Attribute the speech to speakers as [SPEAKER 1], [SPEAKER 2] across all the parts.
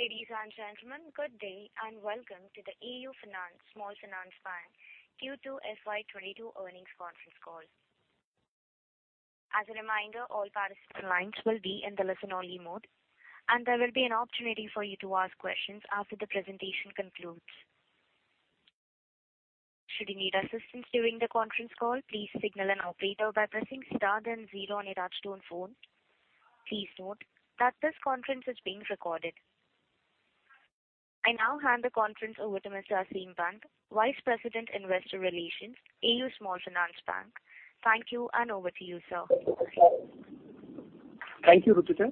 [SPEAKER 1] Ladies and gentlemen, good day, and welcome to the AU Small Finance Bank Q2 FY 2022 earnings conference call. As a reminder, all participant lines will be in the listen only mode, and there will be an opportunity for you to ask questions after the presentation concludes. Should you need assistance during the conference call, please signal an operator by pressing star then zero on your touchtone phone. Please note that this conference is being recorded. I now hand the conference over to Mr. Aseem Bansal, Vice President, Investor Relations, AU Small Finance Bank. Thank you, and over to you, sir.
[SPEAKER 2] Thank you, Ruchita.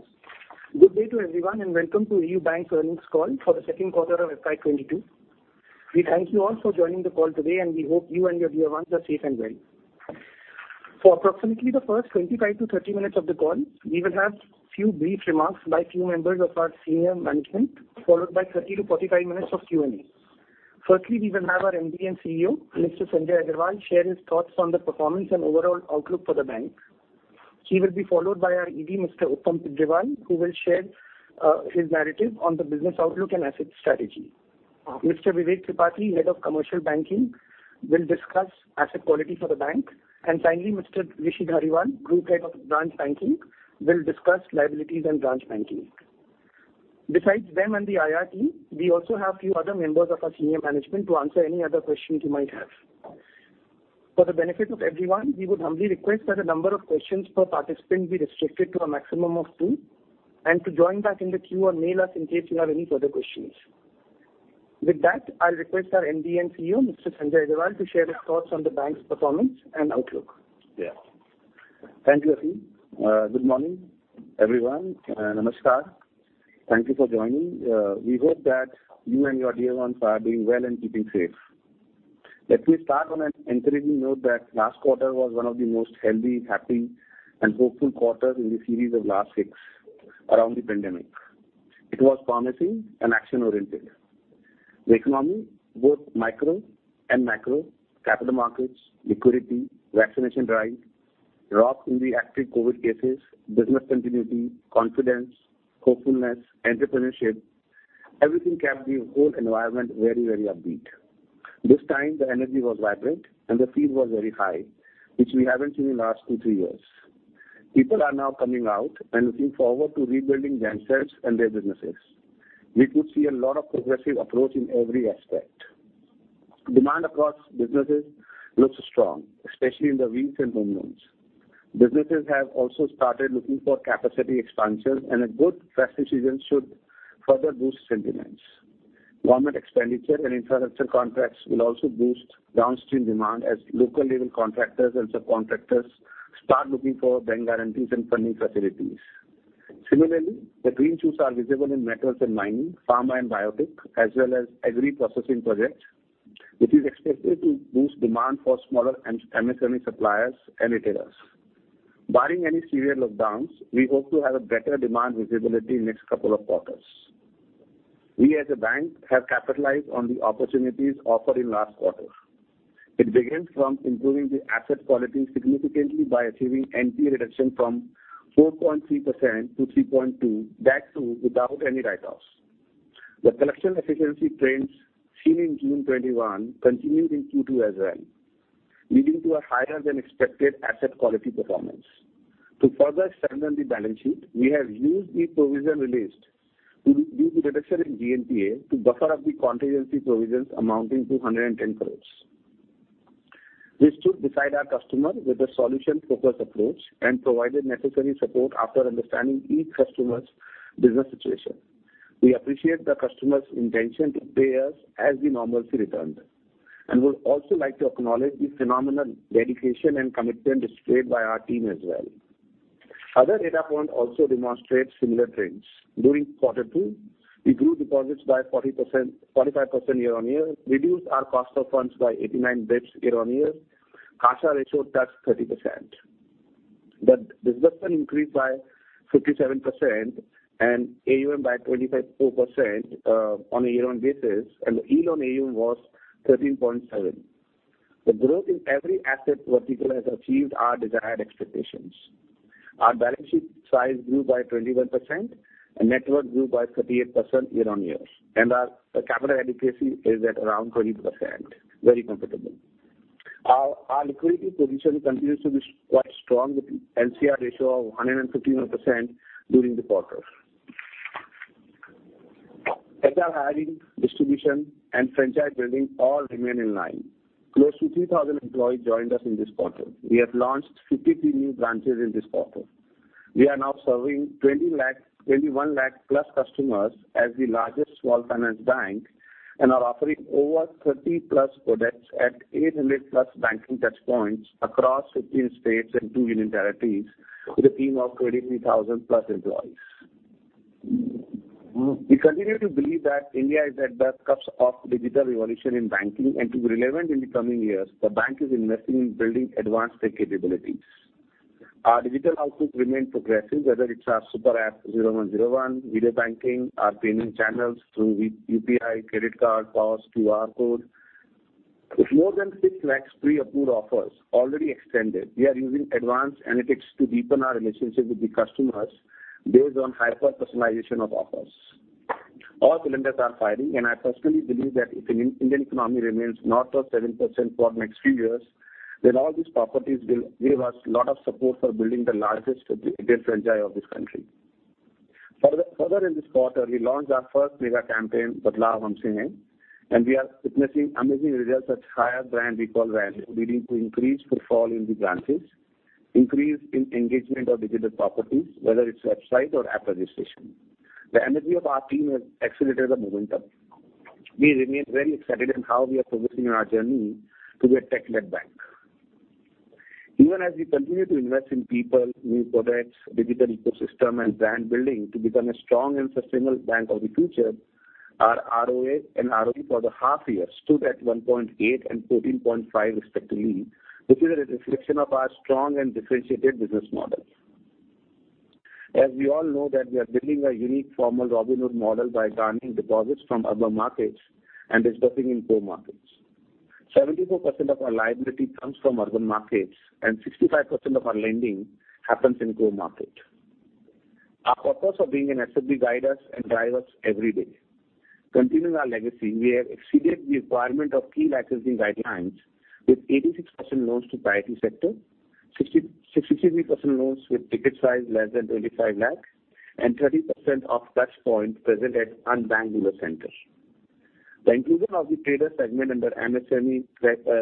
[SPEAKER 2] Good day to everyone, and welcome to AU Bank's earnings call for the second quarter of FY 2022. We thank you all for joining the call today, and we hope you and your dear ones are safe and well. For approximately the first 25-30 minutes of the call, we will have few brief remarks by few members of our senior management, followed by 30-45 minutes of Q&A. Firstly, we will have our MD and CEO, Mr. Sanjay Agarwal, share his thoughts on the performance and overall outlook for the bank. He will be followed by our ED, Mr. Uttam Tibrewal, who will share his narrative on the business outlook and asset strategy. Mr. Vivek Tripathi, Head of Commercial Banking, will discuss asset quality for the bank. Finally, Mr. Rishi Dhariwal, Group Head of Branch Banking, will discuss liabilities and branch banking. Besides them and the IR team, we also have a few other members of our senior management to answer any other questions you might have. For the benefit of everyone, we would humbly request that the number of questions per participant be restricted to a maximum of two and to join back in the queue or mail us in case you have any further questions. With that, I'll request our MD and CEO, Mr. Sanjay Agarwal, to share his thoughts on the bank's performance and outlook.
[SPEAKER 3] Yeah. Thank you, Aseem. Good morning, everyone. Namaskar. Thank you for joining. We hope that you and your dear ones are doing well and keeping safe. Let me start on an encouraging note that last quarter was one of the most healthy, happy, and hopeful quarters in the series of last six around the pandemic. It was promising and action-oriented. The economy, both micro and macro, capital markets, liquidity, vaccination drive, drop in the active COVID cases, business continuity, confidence, hopefulness, entrepreneurship, everything kept the whole environment very, very upbeat. This time, the energy was vibrant and the feel was very high, which we haven't seen in last two, three years. People are now coming out and looking forward to rebuilding themselves and their businesses. We could see a lot of progressive approach in every aspect. Demand across businesses looks strong, especially in the wheels and home loans. Businesses have also started looking for capacity expansion, and a good trust decision should further boost sentiments. Government expenditure and infrastructure contracts will also boost downstream demand as local level contractors and subcontractors start looking for bank guarantees and funding facilities. Similarly, the green shoots are visible in metals and mining, pharma and biotech, as well as agri-processing projects, which is expected to boost demand for smaller MSME suppliers and retailers. Barring any severe lockdowns, we hope to have a better demand visibility in next couple of quarters. We, as a bank, have capitalized on the opportunities offered in last quarter. It begins from improving the asset quality significantly by achieving NPA reduction from 4.3% to 3.2%, that too, without any write-offs. The collection efficiency trends seen in June 2021 continued in Q2 as well, leading to a higher than expected asset quality performance. To further strengthen the balance sheet, we have used the provision released due to reduction in GNPA to buffer up the contingency provisions amounting to 110 crore. We stood beside our customer with a solution-focused approach and provided necessary support after understanding each customer's business situation. We appreciate the customer's intention to pay us as normalcy returned, and would also like to acknowledge the phenomenal dedication and commitment displayed by our team as well. Other data points also demonstrate similar trends. During quarter two, we grew deposits by 45% year-on-year, reduced our cost of funds by 89 basis point year-on-year. CASA ratio touched 30%. The disbursement increased by 57% and AUM by 24%, on a year-on-year basis, and the yield on AUM was 13.7%. The growth in every asset vertical has achieved our desired expectations. Our balance sheet size grew by 21% and net worth grew by 38% year-over-year, and our capital adequacy is at around 20%, very comfortable. Our liquidity position continues to be quite strong, with LCR of 115% during the quarter. Hiring, distribution and franchise building all remain in line. Close to 3,000 employees joined us in this quarter. We have launched 53 new branches in this quarter. We are now serving 21 lakh-plus customers as the largest small finance bank and are offering over 30+ products at 800+ banking touchpoints across 15 states and 2 union territories with a team of 23,000+ employees. We continue to believe that India is at the cusp of digital revolution in banking. To be relevant in the coming years, the bank is investing in building advanced tech capabilities. Our digital output remain progressive, whether it's our super app 0101, video banking, our payment channels through UPI, credit card, POS, QR code. With more than six lakhs pre-approved offers already extended, we are using advanced analytics to deepen our relationship with the customers based on hyper-personalization of offers. All cylinders are firing, and I personally believe that if an Indian economy remains north of 7% for next few years, then all these properties will give us a lot of support for building the largest digital franchise of this country. Further in this quarter, we launched our first mega campaign, BADLAAV Humse Hai, and we are witnessing amazing results such as higher brand recall value leading to increased footfall in the branches, increase in engagement of digital properties, whether it's website or app registration. The energy of our team has accelerated the momentum. We remain very excited in how we are progressing on our journey to be a tech-led bank. Even as we continue to invest in people, new products, digital ecosystem, and brand building to become a strong and sustainable bank of the future, our ROA and ROE for the half year stood at 1.8 and 14.5 respectively, which is a reflection of our strong and differentiated business model. We all know that we are building a unique form of Robin Hood model by garnering deposits from urban markets and disbursing in core markets. 74% of our liability comes from urban markets, and 65% of our lending happens in rural market. Our purpose of being an SFB guide us and drive us every day. Continuing our legacy, we have exceeded the requirement of key licensing guidelines with 86% loans to priority sector, 66% loans with ticket size less than 25 lakh, and 30% of touchpoint present at unbanked rural centers. The inclusion of the trader segment under MSME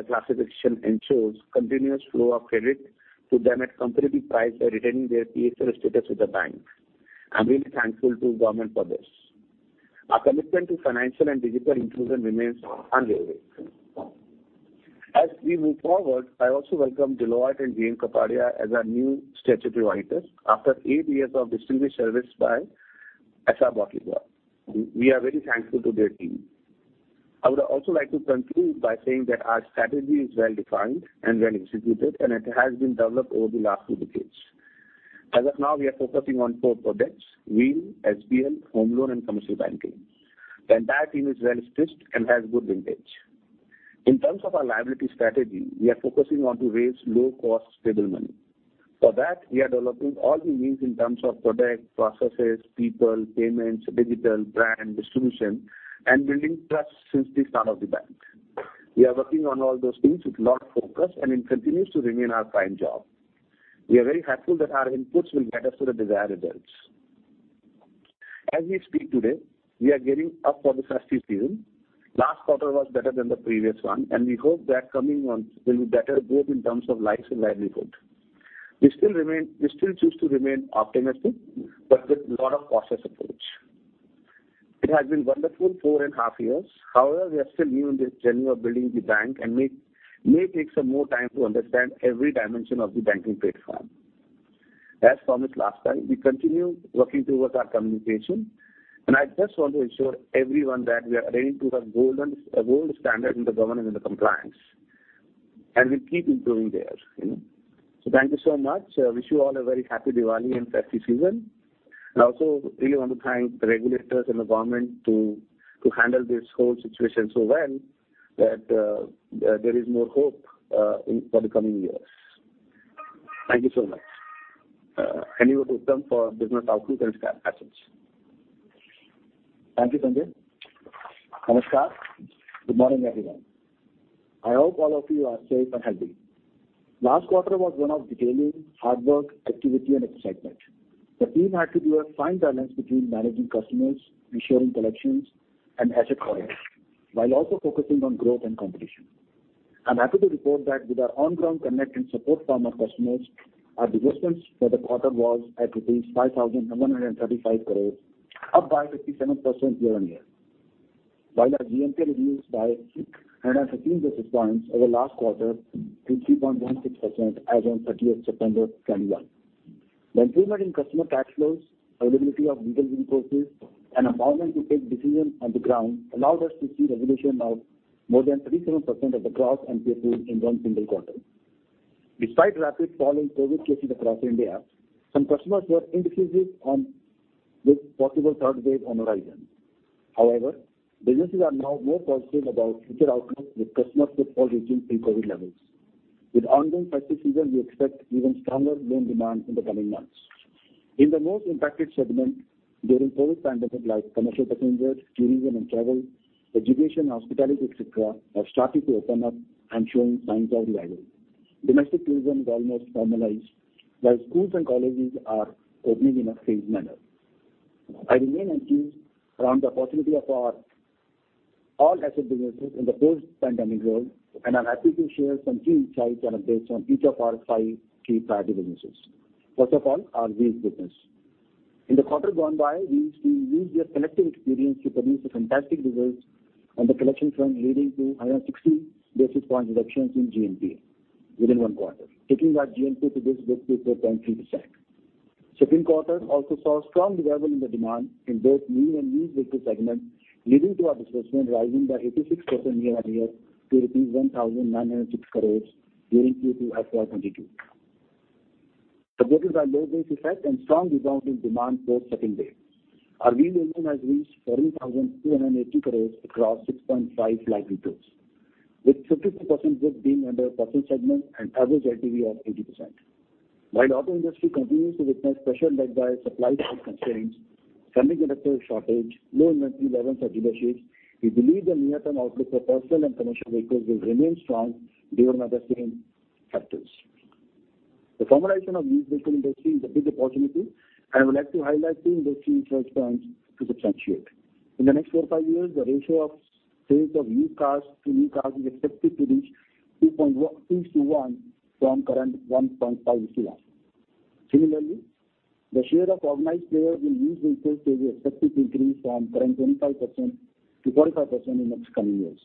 [SPEAKER 3] classification ensures continuous flow of credit to them at competitive price by retaining their PSL status with the bank. I'm really thankful to government for this. Our commitment to financial and digital inclusion remains unwavering. As we move forward, I also welcome Deloitte and Jayant Kapadia as our new statutory auditors after eight years of distinguished service by S.R. Batliboi. We are very thankful to their team. I would also like to conclude by saying that our strategy is well-defined and well-executed, and it has been developed over the last two decades. As of now, we are focusing on four products, wealth, HBL, home loan, and Commercial Banking. The entire team is well-situated and has good vintage. In terms of our liability strategy, we are focusing on to raise low-cost stable money. For that, we are developing all the means in terms of product, processes, people, payments, digital, brand, distribution, and building trust since the start of the bank. We are working on all those things with lot of focus, and it continues to remain our prime job. We are very hopeful that our inputs will get us to the desired results. As we speak today, we are gearing up for the festive season. Last quarter was better than the previous one, and we hope that coming months will be better both in terms of lives and livelihood. We still choose to remain optimistic, but with lot of cautious approach. It has been wonderful four and a half years. However, we are still new in this journey of building the bank, and may take some more time to understand every dimension of the banking platform. As promised last time, we continue working towards our communication, and I just want to assure everyone that we are adhering to the gold standard in the governance and the compliance, and we keep improving there, you know. Thank you so much. I wish you all a very happy Diwali and festive season, and also really want to thank the regulators and the government to handle this whole situation so well that there is more hope in for the coming years. Thank you so much. I hand over to Uttam Tibrewal for business outlook and assets.
[SPEAKER 4] Thank you, Sanjay. Namaskar. Good morning, everyone. I hope all of you are safe and healthy. Last quarter was one of detailing, hard work, activity and excitement. The team had to do a fine balance between managing customers, ensuring collections, and asset quality, while also focusing on growth and competition. I'm happy to report that with our on-ground connect and support from our customers, our disbursements for the quarter was at rupees 5,135 crore, up by 57% year-on-year. Our GNPA reduced by 615 basis points over last quarter to 3.16% as on 30 September 2021. The improvement in customer cash flows, availability of digital resources, and empowerment to take decisions on the ground allowed us to see resolution of more than 37% of the gross NPAs in one single quarter. Despite rapidly falling COVID cases across India, some customers were indecisive about this possible third wave on the horizon. However, businesses are now more positive about future outcomes with customer footfall reaching pre-COVID levels. With ongoing festive season, we expect even stronger loan demand in the coming months. In the most impacted segments during COVID pandemic like commercial passenger, tourism and travel, education, hospitality, et cetera, are starting to open up and showing signs of revival. Domestic tourism is almost normalized, while schools and colleges are opening in a phased manner. I remain enthused around the possibility of our all asset businesses in the post-pandemic world, and I'm happy to share some key insights and updates on each of our five key priority businesses. First of all, our wheels business. In the quarter gone by, Wheels team used their collective experience to produce a fantastic result on the collection front leading to 160 basis point reductions in GNPA within one quarter, taking our GNPA to this book to 0.3%. Second quarter also saw strong revival in the demand in both new and used vehicle segment, leading to our disbursement rising by 86% year-on-year to rupees 1,906 crore during Q2 of 2022, supported by low base effect and strong rebound in demand for second wave. Our loan has reached 40,280 crore across 6.5 lakh vehicles, with 52% book being under personal segment and average LTV of 80%. While the auto industry continues to witness pressure led by supply chain constraints, semiconductor shortage, low inventory levels at dealerships, we believe the near-term outlook for personal and commercial vehicles will remain strong despite the same factors. The formalization of used vehicle industry is a big opportunity. I would like to highlight three industry research points to substantiate. In the next four-five years, the ratio of sales of used cars to new cars is expected to reach two to one from current 1.5 to 1. Similarly, the share of organized players in used vehicle sales is expected to increase from current 25% to 45% in the coming years.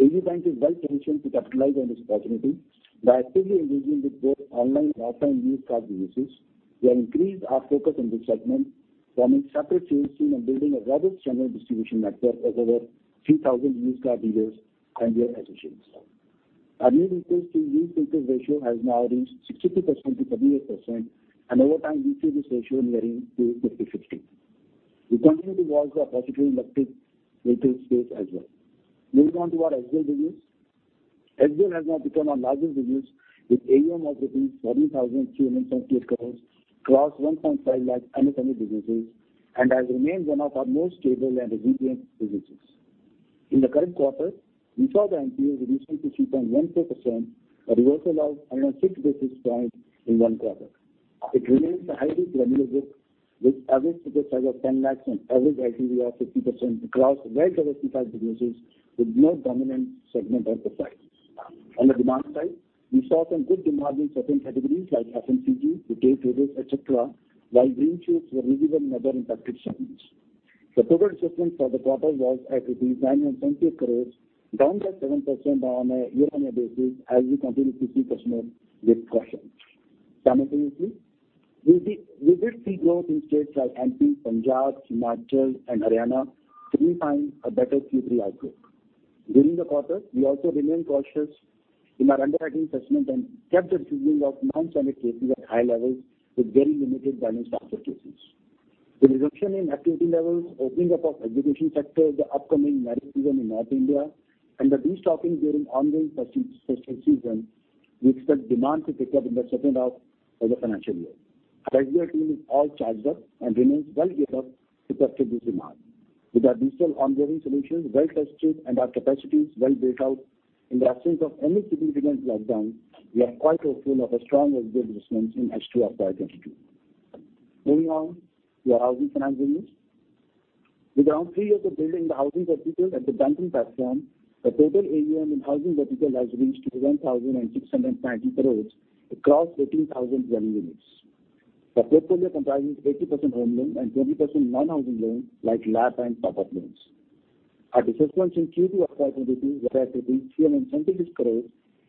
[SPEAKER 4] AU Bank is well-positioned to capitalize on this opportunity by actively engaging with both online and offline used car businesses. We have increased our focus on this segment, forming separate sales team and building a rather stronger distribution network of over 3,000 used car dealers and their associations. Our new vehicles to used vehicles ratio has now reached 62%-38%, and over time, we see this ratio nearing 50-50. We continue to watch our positive electric vehicle space as well. Moving on to our SBL business. SBL has now become our largest business with AUM of 40,378 crore, across 1.5 lakh MSME businesses, and has remained one of our most stable and resilient businesses. In the current quarter, we saw the NPA reducing to 3.14%, a reversal of around six basis points in one quarter. It remains a highly granular book with average ticket size of 10 lakhs and average LTV of 50% across well-diversified businesses with no dominant segment or profile. On the demand side, we saw some good demand in certain categories like FMCG, retail traders, et cetera, while green shoots were visible in other impacted segments. The total assessments for the quarter was at INR 978 crores, down by 7% on a year-on-year basis as we continue to select customers with caution. Simultaneously, we did see growth in states like MP, Punjab, Himachal and Haryana giving us a better Q3 outlook. During the quarter, we also remained cautious in our underwriting assessment and kept the seasoning of 900 cases at high levels with very limited balance transfer cases. The reduction in activity levels, opening up of education sector, the upcoming marriage season in North India and the destocking during ongoing festival season, we expect demand to pick up in the H2 of the financial year. Our SBL team is all charged up and remains well-geared up to capture this demand. With our digital onboarding solutions well tested and our capacities well built out, in the absence of any significant lockdown, we are quite hopeful of a strong SBL business in H2 of FY 2022. Moving on to our housing finance business. With around three years of building the housing vertical at the banking platform, the total AUM in housing vertical has reached 11,690 crores across 13,000 loan units. The portfolio comprising 80% home loans and 20% non-housing loans like lap and top-up loans. Our disbursements in Q2 of FY 2022 was at INR 378 crores,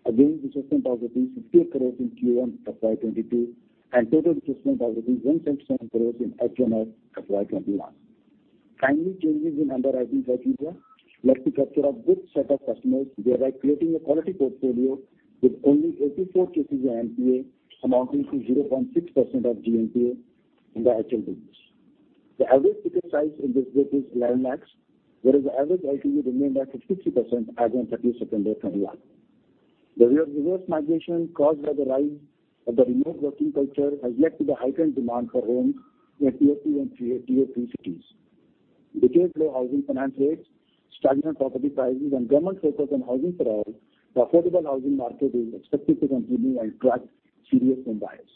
[SPEAKER 4] against disbursement of INR 50 crores in Q1 of FY 2022, and total disbursement of INR 107 crores in H1 of FY 2021. Finally, changes in underwriting criteria led to capture a good set of customers, thereby creating a quality portfolio with only 84 cases of NPA amounting to 0.6% of GNPA in the HL business. The average ticket size in this book is 11 lakhs, whereas the average LTV remained at 52% as on 31 December 2021. Reverse migration caused by the rise of the remote working culture has led to the heightened demand for homes in Tier One and Tier Two cities. Between low housing finance rates, stagnant property prices and government focus on housing for all, the affordable housing market is expected to continue and attract serious home buyers.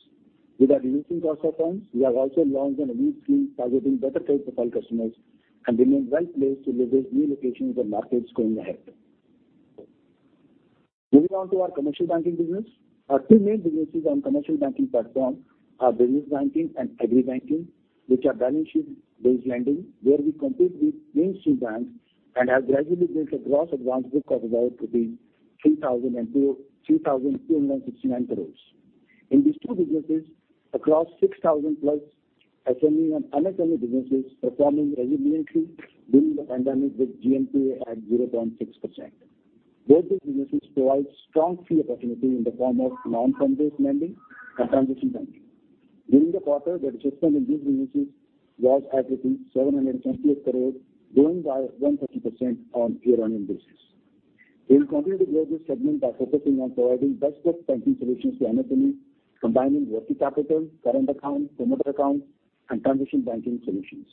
[SPEAKER 4] With our reducing cost of funds, we have also launched an elite scheme targeting better credit profile customers and remain well-placed to leverage new locations and markets going ahead. Moving on to our commercial banking business. Our two main businesses on commercial banking platform are business banking and agri banking, which are balance sheet-based lending, where we compete with mainstream banks and have gradually built a gross advance book of about 3,269 crores. In these two businesses, across 6,000+ MSME and agri businesses performing resiliently during the pandemic with GNPA at 0.6%. Both these businesses provide strong fee opportunity in the form of non-fund-based lending and transition banking. During the quarter, the disbursement in these businesses was at 778 crore, growing by 130% on year-on-year basis. We will continue to grow this segment by focusing on providing best-in-class banking solutions to MSME, combining working capital, current account, payment account, and transition banking solutions.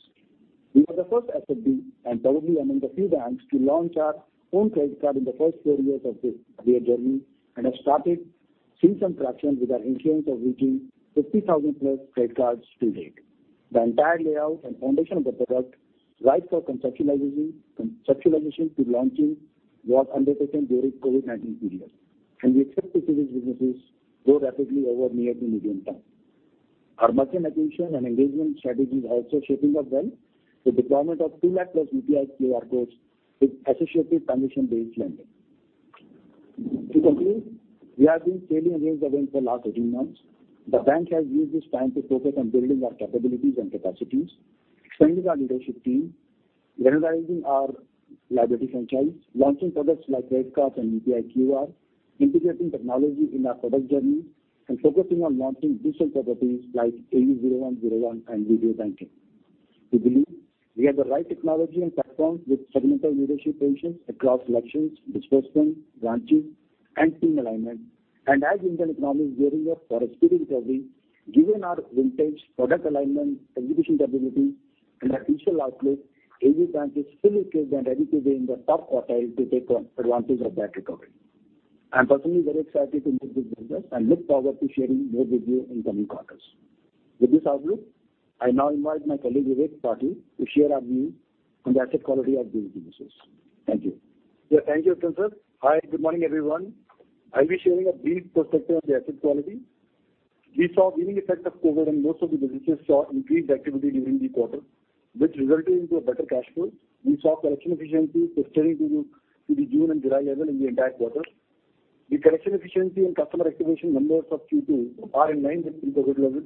[SPEAKER 4] We were the first SFB and probably among the few banks to launch our own credit card in the first four years of their journey and have started seeing some traction with our issuance of reaching 50,000+ credit cards to date. The entire layout and foundation of the product right from conceptualization to launching was undertaken during COVID-19 period, and we expect to see these businesses grow rapidly over near to medium time. Our merchant acquisition and engagement strategy is also shaping up well with deployment of 200,000+ UPI QR codes with associated transaction-based lending. To conclude, we have been sailing against the wind for the last 18 months. The bank has used this time to focus on building our capabilities and capacities, strengthening our leadership team, generalizing our liability franchise, launching products like credit card and UPI QR, integrating technology in our product journey, and focusing on launching digital properties like AU 0101 and video banking. We believe we have the right technology and platforms with fundamental leadership positions across collections, disbursement, branching, and team alignment. As Indian economy is gearing up for a speedy recovery, given our vintage product alignment, execution capability, and our digital outlet, AU Bank is fully equipped and ready to be in the top quartile to take advantage of that recovery. I'm personally very excited to make this business and look forward to sharing more with you in coming quarters. With this outlook, I now invite my colleague, Vivek Tripathi, to share our view on the asset quality of these businesses. Thank you.
[SPEAKER 5] Yeah, thank you, Krishna. Hi, good morning, everyone. I'll be sharing a brief perspective on the asset quality. We saw lingering effect of COVID on most of the businesses saw increased activity during the quarter, which resulted in a better cash flow. We saw collection efficiency sustaining to the June and July level in the entire quarter. The collection efficiency and customer activation numbers of Q2 are in line with pre-COVID levels.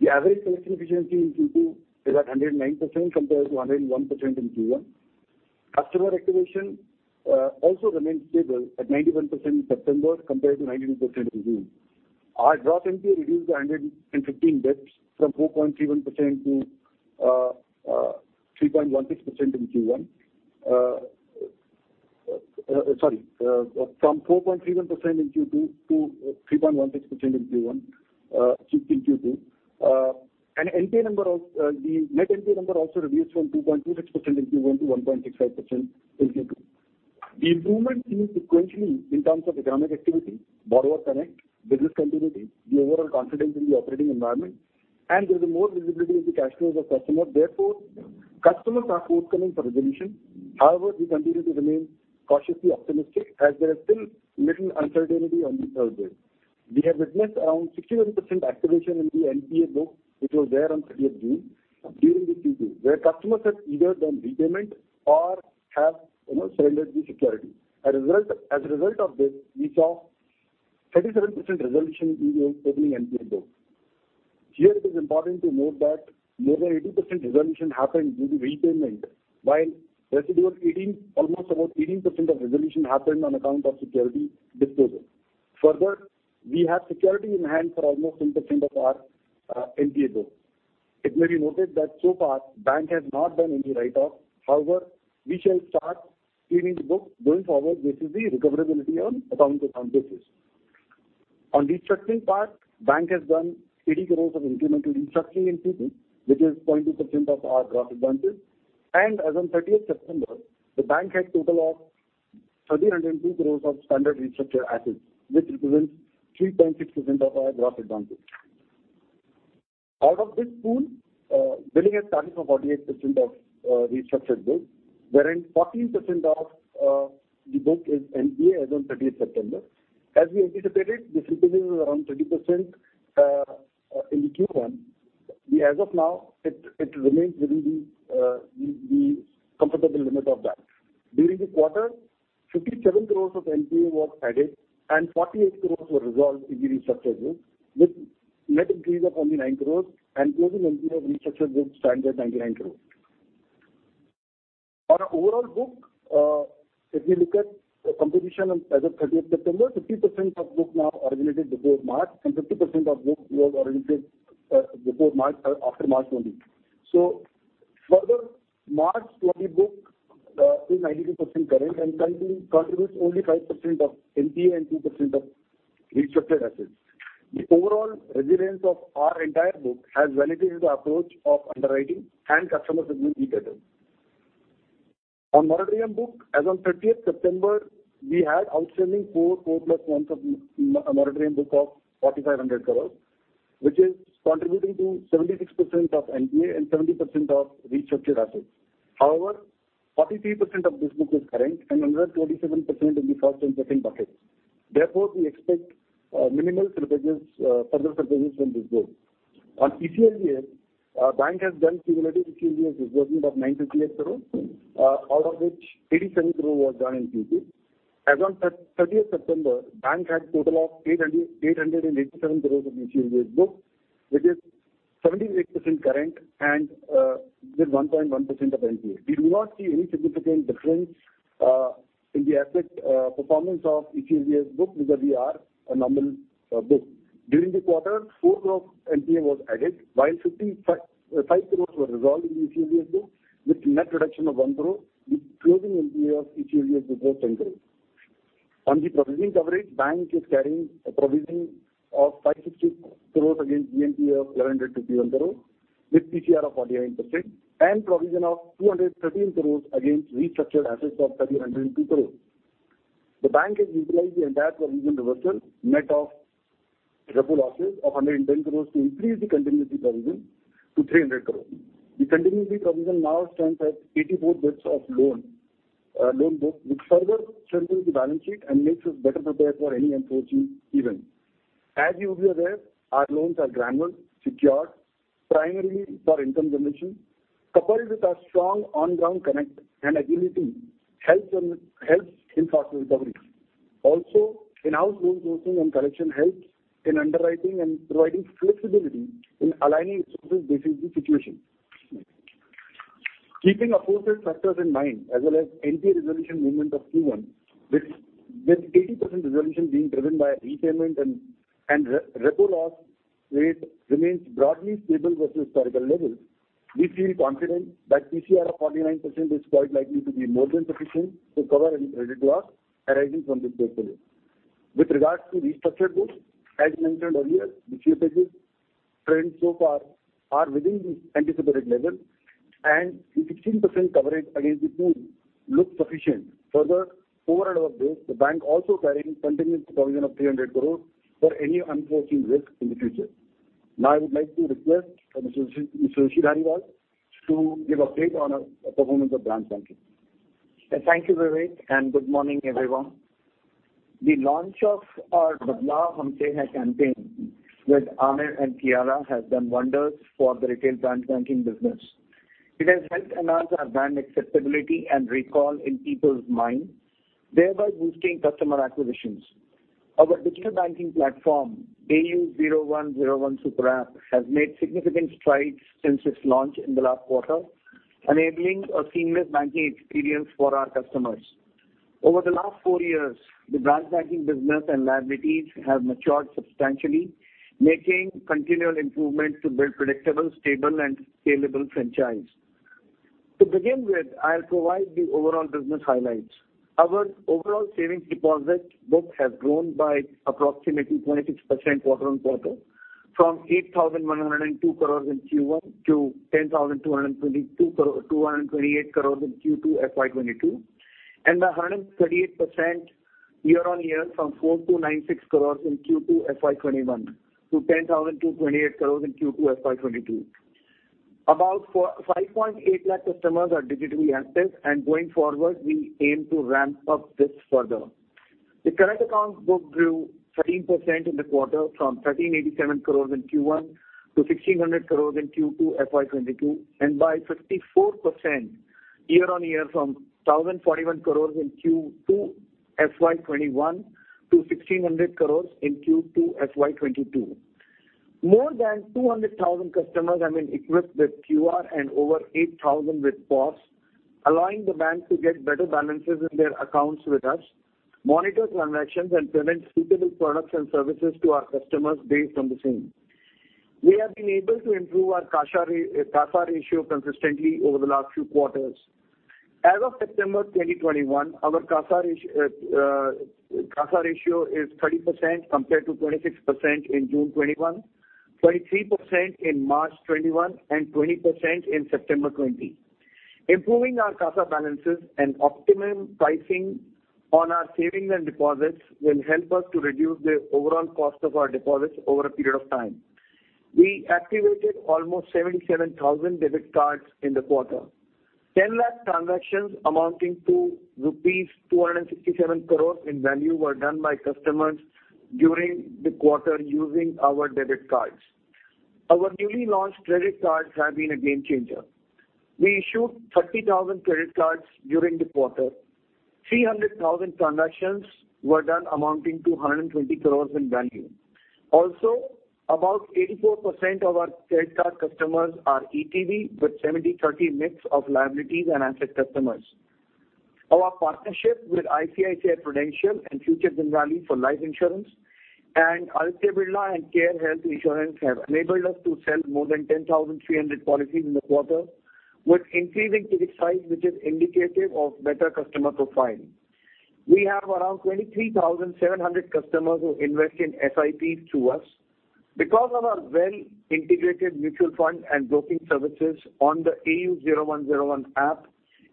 [SPEAKER 5] The average collection efficiency in Q2 is at 109% compared to 101% in Q1. Customer activation also remained stable at 91% in September compared to 92% in June. Our gross NPA reduced by 115 basis points from 4.31% in Q1 to 3.16% in Q2. The net NPA number also reduced from 2.26% in Q1 to 1.65% in Q2. The sequential improvement in terms of economic activity, borrower connect, business continuity, the overall confidence in the operating environment, and there's more visibility in the cash flows of customers. Therefore, customers are forthcoming for resolution. However, we continue to remain cautiously optimistic as there is still little uncertainty on the third wave. We have witnessed around 67% activation in the NPA book, which was there on 30th June during the Q2, where customers have either done repayment or have, you know, surrendered the security. As a result of this, we saw 37% resolution in the overall NPA book. Here, it is important to note that more than 80% resolution happened due to repayment, while residual 18, almost about 18% of resolution happened on account of security disposal. Further, we have security in hand for almost 10% of our NPA book. It may be noted that so far Bank has not done any write-off. However, we shall start cleaning the book going forward based on the recoverability on account to account basis. On restructuring part, Bank has done 80 crore of incremental restructuring in Q2, which is 0.2% of our gross advances. As of 30 September, the bank had a total of 1,302 crore of standard restructured assets, which represents 3.6% of our gross advances. Out of this pool, billing has started for 48% of restructured book, wherein 14% of the book is NPA as of 30 September. As we anticipated, this improvement was around 30% in Q1. As of now, it remains within the comfortable limit of that. During the quarter, 57 crore of NPA was added and 48 crore were resolved in the restructured book with net increase of only 9 crore and closing NPA of restructured book stand at 99 crore. On our overall book, if you look at the composition as of 30th September, 50% of book now originated before March and 50% of book was originated before March or after March only. The pre-March 2020 book is 92% current and currently contributes only 5% of NPA and 2% of restructured assets. The overall resilience of our entire book has validated the approach of underwriting and customer segment we gathered. On moratorium book, as on 30th September, we had outstanding moratorium book of 4,500 crores, which is contributing to 76% of NPA and 70% of restructured assets. However, 43% of this book is current and another 27% in the first and second buckets. Therefore, we expect minimal slippages, further slippages from this book. On ECLGS, our bank has done cumulative ECLGS resolution of 98 crore, out of which 87 crore was done in Q2. As on 30th September, bank had total of 887 crore of ECLGS book, which is 78% current and with 1.1% of NPA. We do not see any significant difference in the asset performance of ECLGS book because we are a normal book. During the quarter, 4 crore NPA was added, while 55 crore were resolved in ECLGS book with net reduction of 1 crore with closing NPA of ECLGS book of 10 crore. On the provisioning coverage, bank is carrying a provision of 560 crore against the NPA of 1,121 crore with PCR of 49% and provision of 213 crore against restructured assets of 1,302 crore. The bank has utilized the entire provision reversal net of repo losses of 110 crore to increase the contingency provision to 300 crore. The contingency provision now stands at 84 basis points of loan book, which further strengthens the balance sheet and makes us better prepared for any unforeseen event. As you will be aware, our loans are granular, secured, primarily for income generation, coupled with our strong on-ground connect and ability helps in faster recovery. Also, in-house loan sourcing and collection helps in underwriting and providing flexibility in aligning solutions based on the situation. Keeping appropriate factors in mind as well as NPA resolution movement of Q1, with 80% resolution being driven by repayment and re-repo loss rate remains broadly stable versus historical levels, we feel confident that PCR of 49% is quite likely to be more than sufficient to cover any credit loss arising from this portfolio. With regards to restructured books, as mentioned earlier, the slippages trends so far are within the anticipated level, and the 16% coverage against the pool looks sufficient. Further, over and above this, the bank also carrying contingent provision of 300 crore for any unforeseen risk in the future. Now, I would like to request Mr. Rishi Dhariwal to give update on performance of branch banking.
[SPEAKER 6] Thank you, Vivek, and good morning, everyone. The launch of our BADLAAV Humse Hai campaign with Aamir and Kiara has done wonders for the retail branch banking business. It has helped enhance our brand acceptability and recall in people's minds, thereby boosting customer acquisitions. Our digital banking platform, AU 0101 super app, has made significant strides since its launch in the last quarter, enabling a seamless banking experience for our customers. Over the last four years, the branch banking business and liabilities have matured substantially, making continual improvements to build predictable, stable and scalable franchise. To begin with, I'll provide the overall business highlights. Our overall savings deposit book has grown by approximately 26% quarter-over-quarter from 8,102 crore in Q1 to 10,228 crore in Q2 FY 2022, and 138% year-over-year from INR 4,096 crore in Q2 FY 2021 to 10,228 crore in Q2 FY 2022. About 5.8 lakh customers are digitally active, and going forward, we aim to ramp up this further. The current accounts book grew 13% in the quarter from 1,387 crore in Q1 to 1,600 crore in Q2 FY 2022, and by 54% year-over-year from 1,041 crore in Q2 FY 2021 to 1,600 crore in Q2 FY 2022. More than 200,000 customers have been equipped with QR and over 8,000 with POS, allowing the bank to get better balances in their accounts with us, monitor transactions, and present suitable products and services to our customers based on the same. We have been able to improve our CASA ratio consistently over the last few quarters. As of September 2021, our CASA ratio is 30% compared to 26% in June 2021, 23% in March 2021, and 20% in September 2020. Improving our CASA balances and optimum pricing on our savings and deposits will help us to reduce the overall cost of our deposits over a period of time. We activated almost 77,000 debit cards in the quarter. 10 lakh transactions amounting to rupees 267 crore in value were done by customers during the quarter using our debit cards. Our newly launched credit cards have been a game changer. We issued 30,000 credit cards during the quarter. 300,000 transactions were done amounting to 120 crore in value. Also, about 84% of our credit card customers are ETB, with 70-30 mix of liabilities and asset customers. Our partnership with ICICI Prudential and Future Generali for life insurance and Aditya Birla Health Insurance and Care Health Insurance have enabled us to sell more than 10,300 policies in the quarter, with increasing ticket size, which is indicative of better customer profile. We have around 23,700 customers who invest in SIPs through us. Because of our well integrated mutual fund and broking services on the AU 0101 app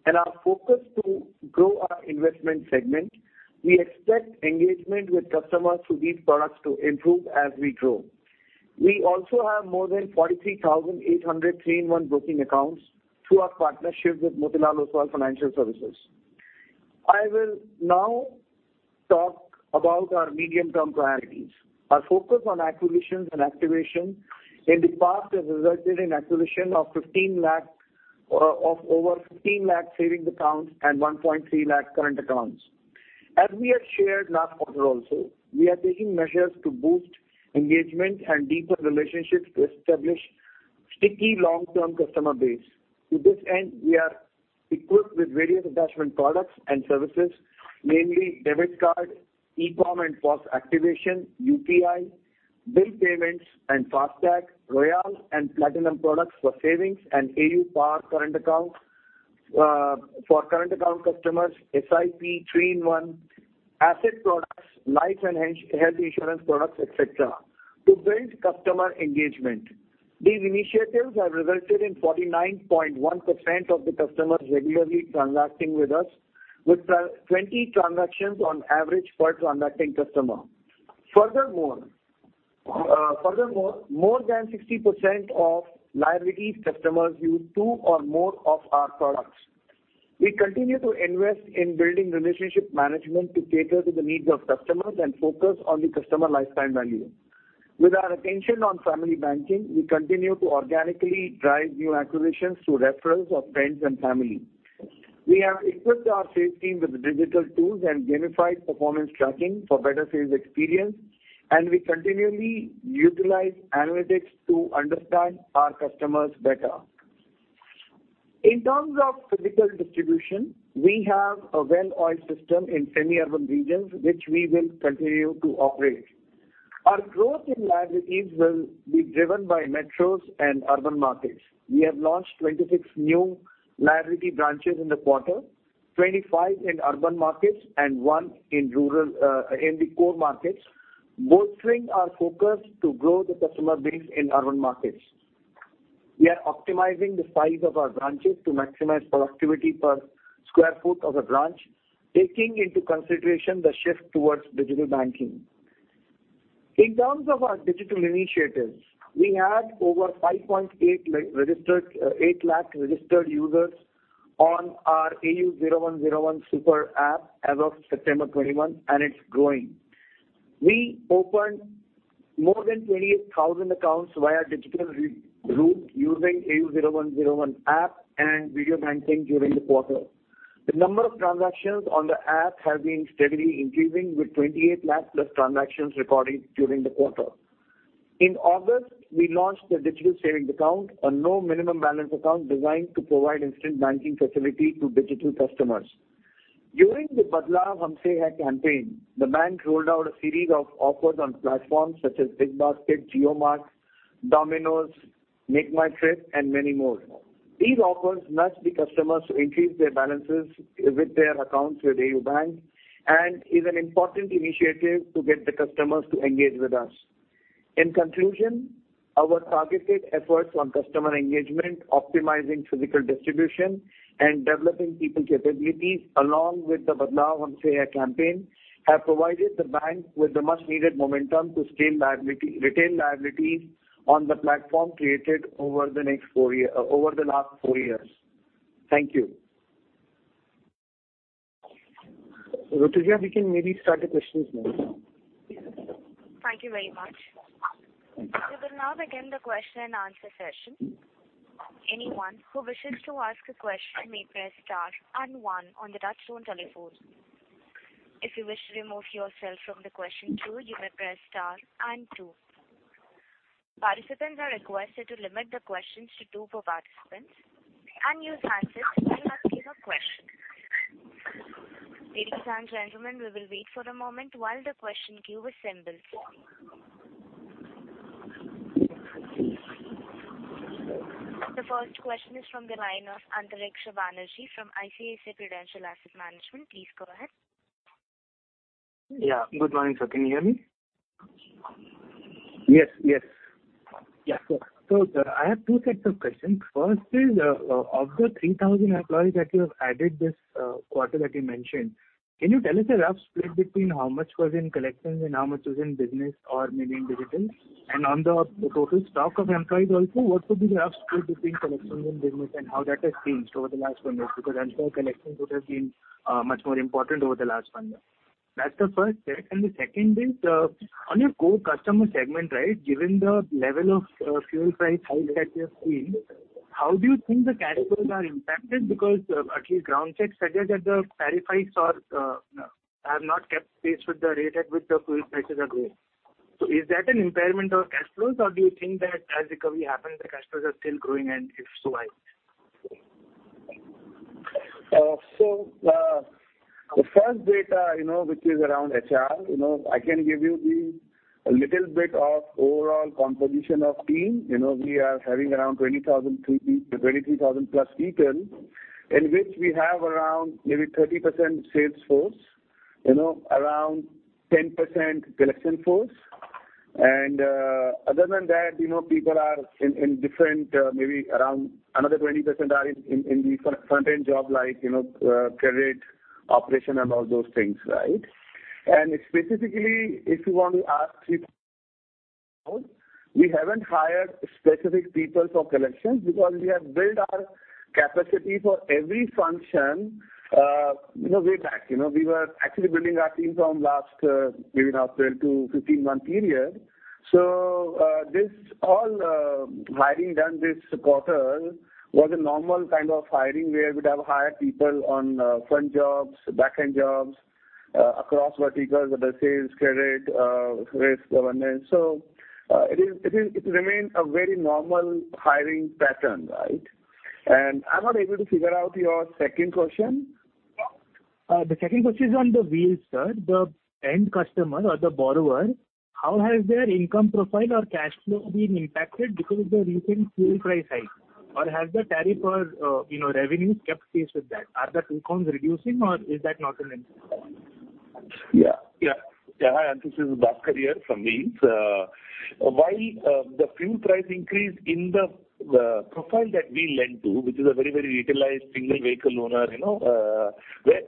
[SPEAKER 6] and our focus to grow our investment segment, we expect engagement with customers through these products to improve as we grow. We also have more than 43,800 three-in-one broking accounts through our partnership with Motilal Oswal Financial Services. I will now talk about our medium-term priorities. Our focus on acquisitions and activation in the past has resulted in acquisition of 15 lakh, or of over 15 lakh savings accounts and 1.3 lakh current accounts. As we had shared last quarter also, we are taking measures to boost engagement and deepen relationships to establish sticky long-term customer base. To this end, we are equipped with various attachment products and services, mainly debit card, eCom and POS activation, UPI, bill payments and FASTag, Royale and Platinum products for savings and AU PAR current accounts, for current account customers, SIP, three-in-one, asset products, life and health insurance products, et cetera, to build customer engagement. These initiatives have resulted in 49.1% of the customers regularly transacting with us with 20 transactions on average per transacting customer. Furthermore, more than 60% of liabilities customers use two or more of our products. We continue to invest in building relationship management to cater to the needs of customers and focus on the customer lifetime value. With our attention on family banking, we continue to organically drive new acquisitions through referrals of friends and family. We have equipped our sales team with digital tools and gamified performance tracking for better sales experience, and we continually utilize analytics to understand our customers better. In terms of physical distribution, we have a well-oiled system in semi-urban regions which we will continue to operate. Our growth in liabilities will be driven by metros and urban markets. We have launched 26 new liability branches in the quarter, 25 in urban markets and one in rural, in the core markets, bolstering our focus to grow the customer base in urban markets. We are optimizing the size of our branches to maximize productivity per sq ft of a branch, taking into consideration the shift towards digital banking. In terms of our digital initiatives, we had over 8 lakh registered users on our AU 0101 super app as of September 2021, and it's growing. We opened more than 28,000 accounts via digital route using AU 0101 app and video banking during the quarter. The number of transactions on the app have been steadily increasing, with 28 lakh+ transactions recorded during the quarter. In August, we launched a digital savings account, a no minimum balance account designed to provide instant banking facility to digital customers. During the BADLAAV Humse Hai campaign, the bank rolled out a series of offers on platforms such as BigBasket, JioMart, Domino's, MakeMyTrip, and many more. These offers nudge the customers to increase their balances with their accounts with AU Bank and is an important initiative to get the customers to engage with us. In conclusion, our targeted efforts on customer engagement, optimizing physical distribution, and developing people capabilities along with the BADLAAV Humse Hai campaign have provided the bank with the much needed momentum to scale liability, retain liabilities on the platform created over the last four years. Thank you. Rutuja, we can maybe start the questions now.
[SPEAKER 1] Thank you very much. We will now begin the question and answer session. Anyone who wishes to ask a question may press star and one on the touchtone telephone. If you wish to remove yourself from the question queue, you may press star and two. Participants are requested to limit the questions to two per participant and use answers while asking a question. Ladies and gentlemen, we will wait for a moment while the question queue assembles. The first question is from the line of Antariksha Banerjee from ICICI Prudential Asset Management. Please go ahead.
[SPEAKER 7] Yeah. Good morning, sir. Can you hear me?
[SPEAKER 3] Yes. Yes.
[SPEAKER 7] Yeah, sure. Sir, I have two sets of questions. First is of the 3,000 employees that you have added this quarter that you mentioned, can you tell us a rough split between how much was in collections and how much was in business or maybe in digital? And on the total stock of employees also, what would be the rough split between collections and business and how that has changed over the last one year? Because I'm sure collections would have been much more important over the last one year. That's the first set. And the second is on your core customer segment, right, given the level of fuel price hikes that we have seen, how do you think the cash flows are impacted? At least ground checks suggest that the tariff hikes have not kept pace with the rate at which the fuel prices are growing. Is that an impairment of cash flows or do you think that as recovery happens, the cash flows are still growing and if so, why?
[SPEAKER 3] The first data, you know, which is around HR, you know, I can give you the, a little bit of overall composition of team. You know, we are having around 23,000+ people, in which we have around maybe 30% sales force, you know, around 10% collection force. Other than that, you know, people are in different, maybe around another 20% are in the front-end job like, you know, credit operation and all those things, right? Specifically, if you want to ask it we haven't hired specific people for collections because we have built our capacity for every function, you know, way back. You know, we were actually building our team from last, maybe now 12-15 month period. This all hiring done this quarter was a normal kind of hiring where we'd have hired people on front jobs, back-end jobs across verticals, whether sales, credit, risk, governance. It is. It remains a very normal hiring pattern, right? I'm not able to figure out your second question.
[SPEAKER 7] The second question is on the Wheels, sir. The end customer or the borrower, how has their income profile or cash flow been impacted because of the recent fuel price hike? Or has the tariff or, you know, revenues kept pace with that? Are the two costs reducing or is that not an impact?
[SPEAKER 8] Hi, Antariksha. Bhaskar here from Wheels. While the fuel price increase in the profile that we lend to, which is a very utilized single vehicle owner, you know, where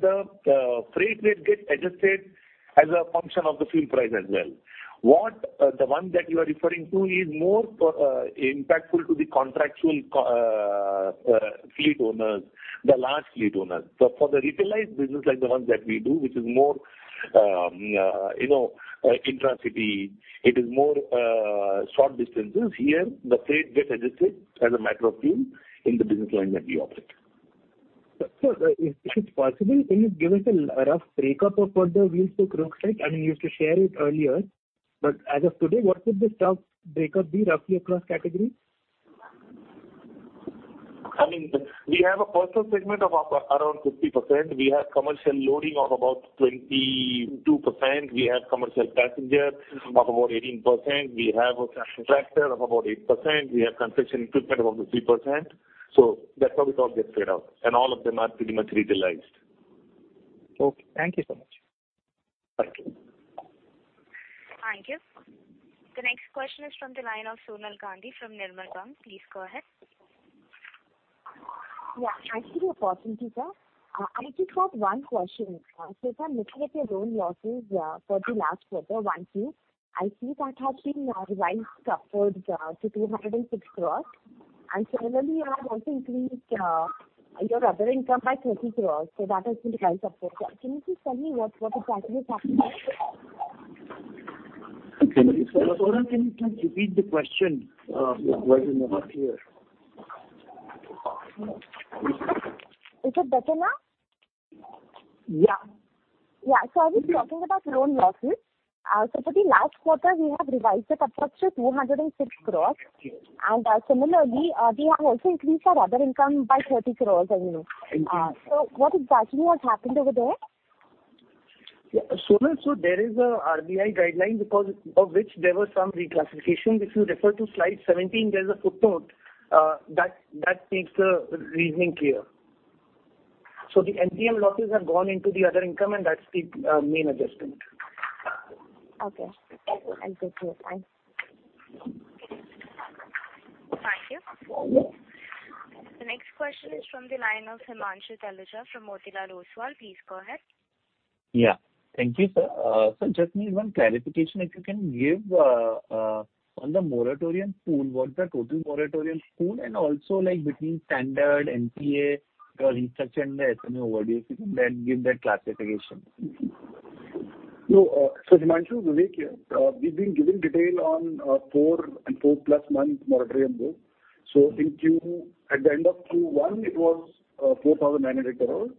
[SPEAKER 8] the freight rate gets adjusted as a function of the fuel price as well. What the one that you are referring to is more impactful to the contractual fleet owners, the large fleet owners. For the utilized business like the ones that we do, which is more intra-city, it is more short distances. Here, the freight gets adjusted as a matter of time in the business line that we operate.
[SPEAKER 7] Sir, if it's possible, can you give us a rough breakup of what the ways the growth takes? I mean, you used to share it earlier, but as of today, what would the stock breakup be roughly across category?
[SPEAKER 8] I mean, we have a parcel segment of around 50%. We have commercial loading of about 22%. We have commercial passenger of about 18%. We have a tractor of about 8%. We have construction equipment of about 3%. That's how we thought it gets played out, and all of them are pretty much realized.
[SPEAKER 7] Okay, thank you so much.
[SPEAKER 3] Thank you.
[SPEAKER 1] Thank you. The next question is from the line of Sonal Gandhi from Nirmal Bang Equities. Please go ahead.
[SPEAKER 9] Yeah. Actually, a possibility, sir. I just have one question. Sir, looking at your loan losses for the last quarter, one thing I see that has been revised upwards to 206 crore, and similarly you have also increased your other income by 30 crore. That has been revised upwards. Can you please tell me what exactly has happened?
[SPEAKER 3] Sorry, can you please repeat the question? Volume was not clear.
[SPEAKER 9] Is it better now?
[SPEAKER 3] Yeah.
[SPEAKER 9] I was talking about loan losses. For the last quarter we have revised it upwards to 206 crores. Similarly, we have also increased our other income by 30 crores only. What exactly has happened over there?
[SPEAKER 2] Yeah. Sonal. There is a RBI guideline because of which there were some reclassification. If you refer to slide 17, there's a footnote that makes the reasoning clear. The NPA losses have gone into the other income, and that's the main adjustment.
[SPEAKER 9] Okay. Thank you.
[SPEAKER 1] Thank you. The next question is from the line of Himanshu Taluja from Motilal Oswal. Please go ahead.
[SPEAKER 10] Thank you, sir. Just need one clarification if you can give on the moratorium pool. What's the total moratorium pool and also like between standard NPA or restructuring the SME overdue if you can then give that classification.
[SPEAKER 5] No, Himanshu, Vivek, we've been giving detail on 4 and 4-plus months moratorium book. In Q1 at the end of Q1 it was 4,900 crores.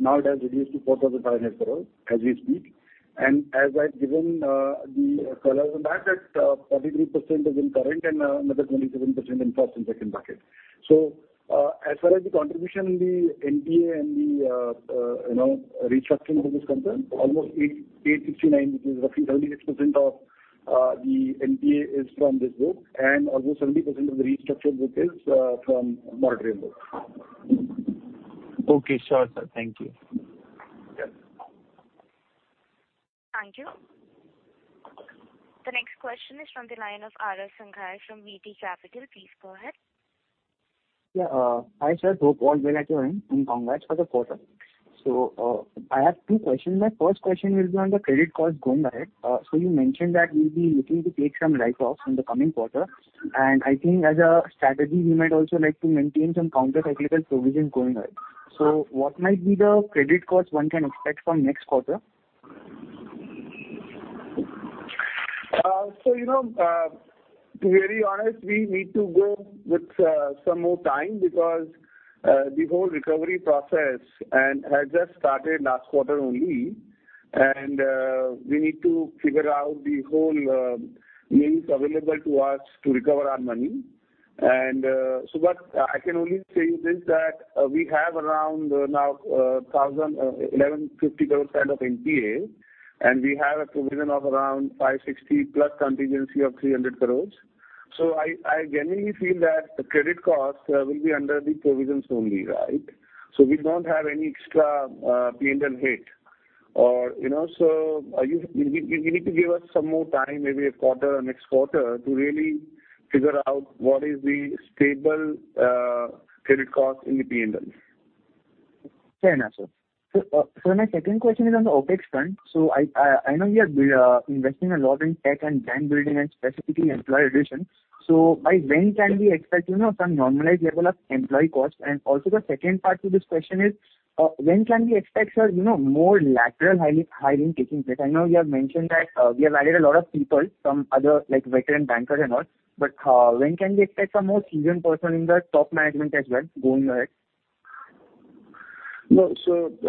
[SPEAKER 5] Now it has reduced to 4,500 crores as we speak. As I've given the colors on that, 43% is in current and another 27% in first and second bucket. As far as the contribution in the NPA and the, you know, restructuring group is concerned, almost 869 crores, which is roughly 36% of the NPA is from this book and almost 70% of the restructured book is from moratorium book.
[SPEAKER 10] Okay, sure, sir. Thank you.
[SPEAKER 3] Yes.
[SPEAKER 1] Thank you. The next question is from the line of R.S. Sanghai from VT Capital. Please go ahead.
[SPEAKER 11] Yeah. Hi, sir. Hope all well at your end and congrats for the quarter. I have two questions. My first question will be on the credit cost going ahead. You mentioned that you'll be looking to take some write-offs in the coming quarter. I think as a strategy you might also like to maintain some counter-cyclical provisions going ahead. What might be the credit cost one can expect from next quarter?
[SPEAKER 3] You know, to be very honest, we need to go with some more time because the whole recovery process and had just started last quarter only and we need to figure out the whole means available to us to recover our money. What I can only say is that we have around now 1,150 crores kind of NPA and we have a provision of around 560+ contingency of 300 crores. I genuinely feel that the credit cost will be under the provisions only, right? We don't have any extra P&L hit or you know. You need to give us some more time, maybe a quarter or next quarter to really figure out what is the stable credit cost in the P&L.
[SPEAKER 11] Fair enough, sir. My second question is on the OpEx front. I know you are investing a lot in tech and brand building and specifically employee addition. By when can we expect, you know, some normalized level of employee cost? Also the second part to this question is, when can we expect, sir, you know, more lateral hiring taking place? I know you have mentioned that we have added a lot of people from others like veteran bankers and all. When can we expect some more seasoned person in the top management as well going ahead?
[SPEAKER 3] No. 2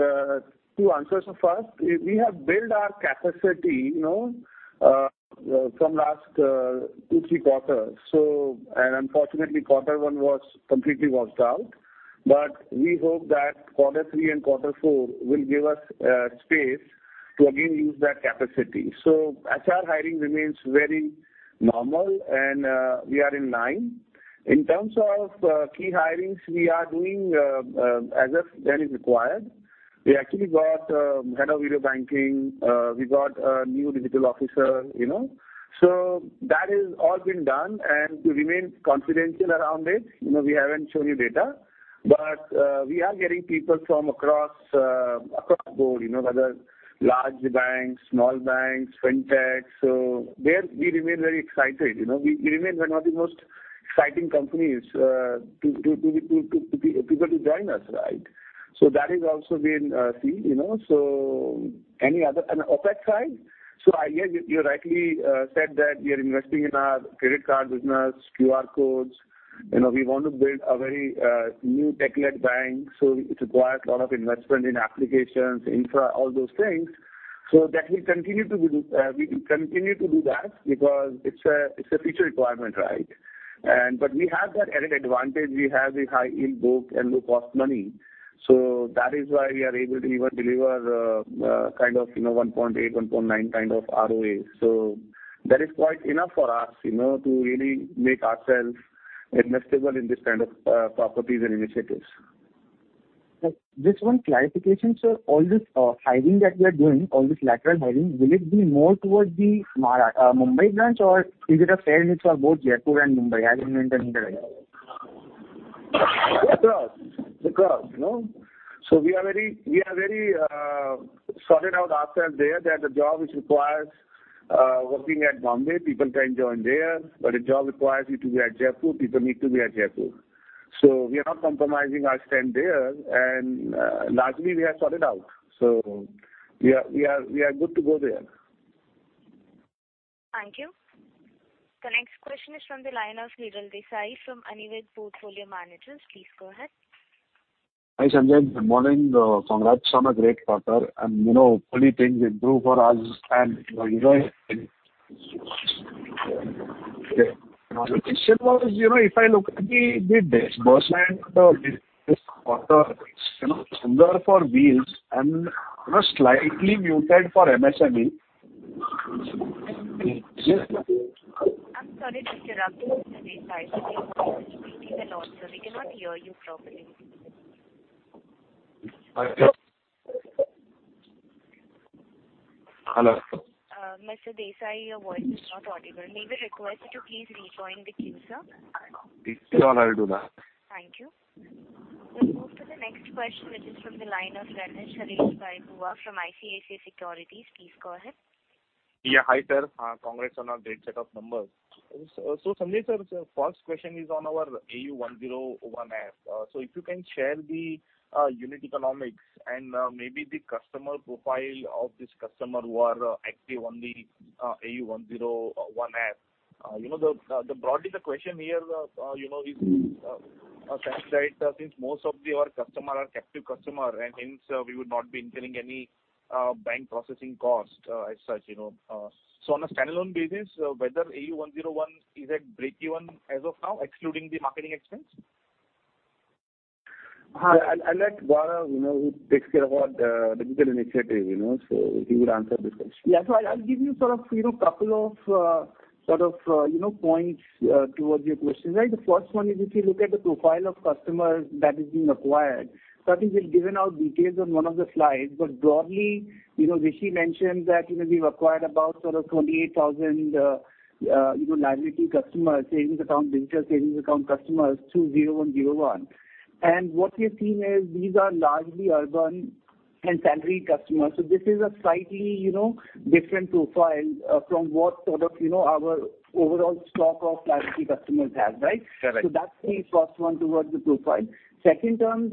[SPEAKER 3] answers. First we have built our capacity, you know, from last 2, 3 quarters. Unfortunately quarter 1 was completely washed out. We hope that quarter 3 and quarter 4 will give us space to again use that capacity. As our hiring remains very normal and we are in line. In terms of key hirings we are doing, as and when is required. We actually got head of video banking. We got a new digital officer, you know, so that is all been done. We remain confidential around it. You know, we haven't shown you data, but we are getting people from across the board, you know, whether large banks, small banks, fintech. There we remain very excited. You know, we remain one of the most exciting companies for people to join us, right? That has also been seen, you know. Any other? OpEx side, I hear you. You rightly said that we are investing in our credit card business, QR codes. You know, we want to build a very new tech-led bank, so it requires a lot of investment in applications, infra, all those things. We continue to do that. We will continue to do that because it's a future requirement, right? We have that added advantage. We have a high yield book and low-cost money. That is why we are able to even deliver kind of, you know, 1.8, 1.9 kind of ROA. That is quite enough for us, you know, to really make ourselves investable in this kind of properties and initiatives.
[SPEAKER 11] Just one clarification, sir. All this hiring that we are doing, all this lateral hiring, will it be more towards the Mumbai branch or is it a fair mix for both Jaipur and Mumbai, as in the hiring?
[SPEAKER 3] Across, you know. We are very sorted out ourselves there that the job which requires working at Bombay, people can join there. A job requires you to be at Jaipur, people need to be at Jaipur. We are not compromising our stand there and largely we are sorted out, so we are good to go there.
[SPEAKER 1] Thank you. The next question is from the line of Niraj Desai from Anivith Portfolio Managers. Please go ahead.
[SPEAKER 12] Hi, Sanjay. Good morning. Congrats on a great quarter. You know, hopefully things will improve for us and, you know, you guys. My question was, you know, if I look at the disbursals in the quarter, you know, stronger for vehicles and, you know, slightly muted for MSME.
[SPEAKER 1] I'm sorry to interrupt you, Mr. Desai. Breaking a lot, sir. We cannot hear you properly.
[SPEAKER 12] Hello.
[SPEAKER 1] Mr. Desai, your voice is not audible. May we request you to please rejoin the queue, sir?
[SPEAKER 12] Sure. I'll do that.
[SPEAKER 1] Thank you. We'll move to the next question, which is from the line of Rakesh Shrestha from ICICI Securities. Please go ahead.
[SPEAKER 13] Yeah. Hi, sir. Congrats on a great set of numbers. Sanjay, sir, first question is on our AU 0101 app. If you can share the unit economics and maybe the customer profile of this customer who are active on the AU 0101 app. You know, the broadly the question here, you know, is a sense that since most of your customer are captive customer and hence we would not be incurring any bank processing cost as such, you know. On a standalone basis, whether AU 0101 is at breakeven as of now, excluding the marketing expense?
[SPEAKER 3] I'll let Gaurav, you know, who takes care of our digital initiative, you know, so he will answer this question.
[SPEAKER 14] I'll give you sort of, you know, couple of points towards your question, right. The first one is if you look at the profile of customers that has been acquired. Satish has given out details on one of the slides. Broadly, you know, Rishi mentioned that, you know, we've acquired about sort of 28,000 liability customers, savings account, digital savings account customers through AU 0101. What we've seen is these are largely urban and salary customers. This is a slightly, you know, different profile from what sort of, you know, our overall stock of priority customers has, right?
[SPEAKER 13] Correct.
[SPEAKER 14] That's the first one towards the profile. Second term,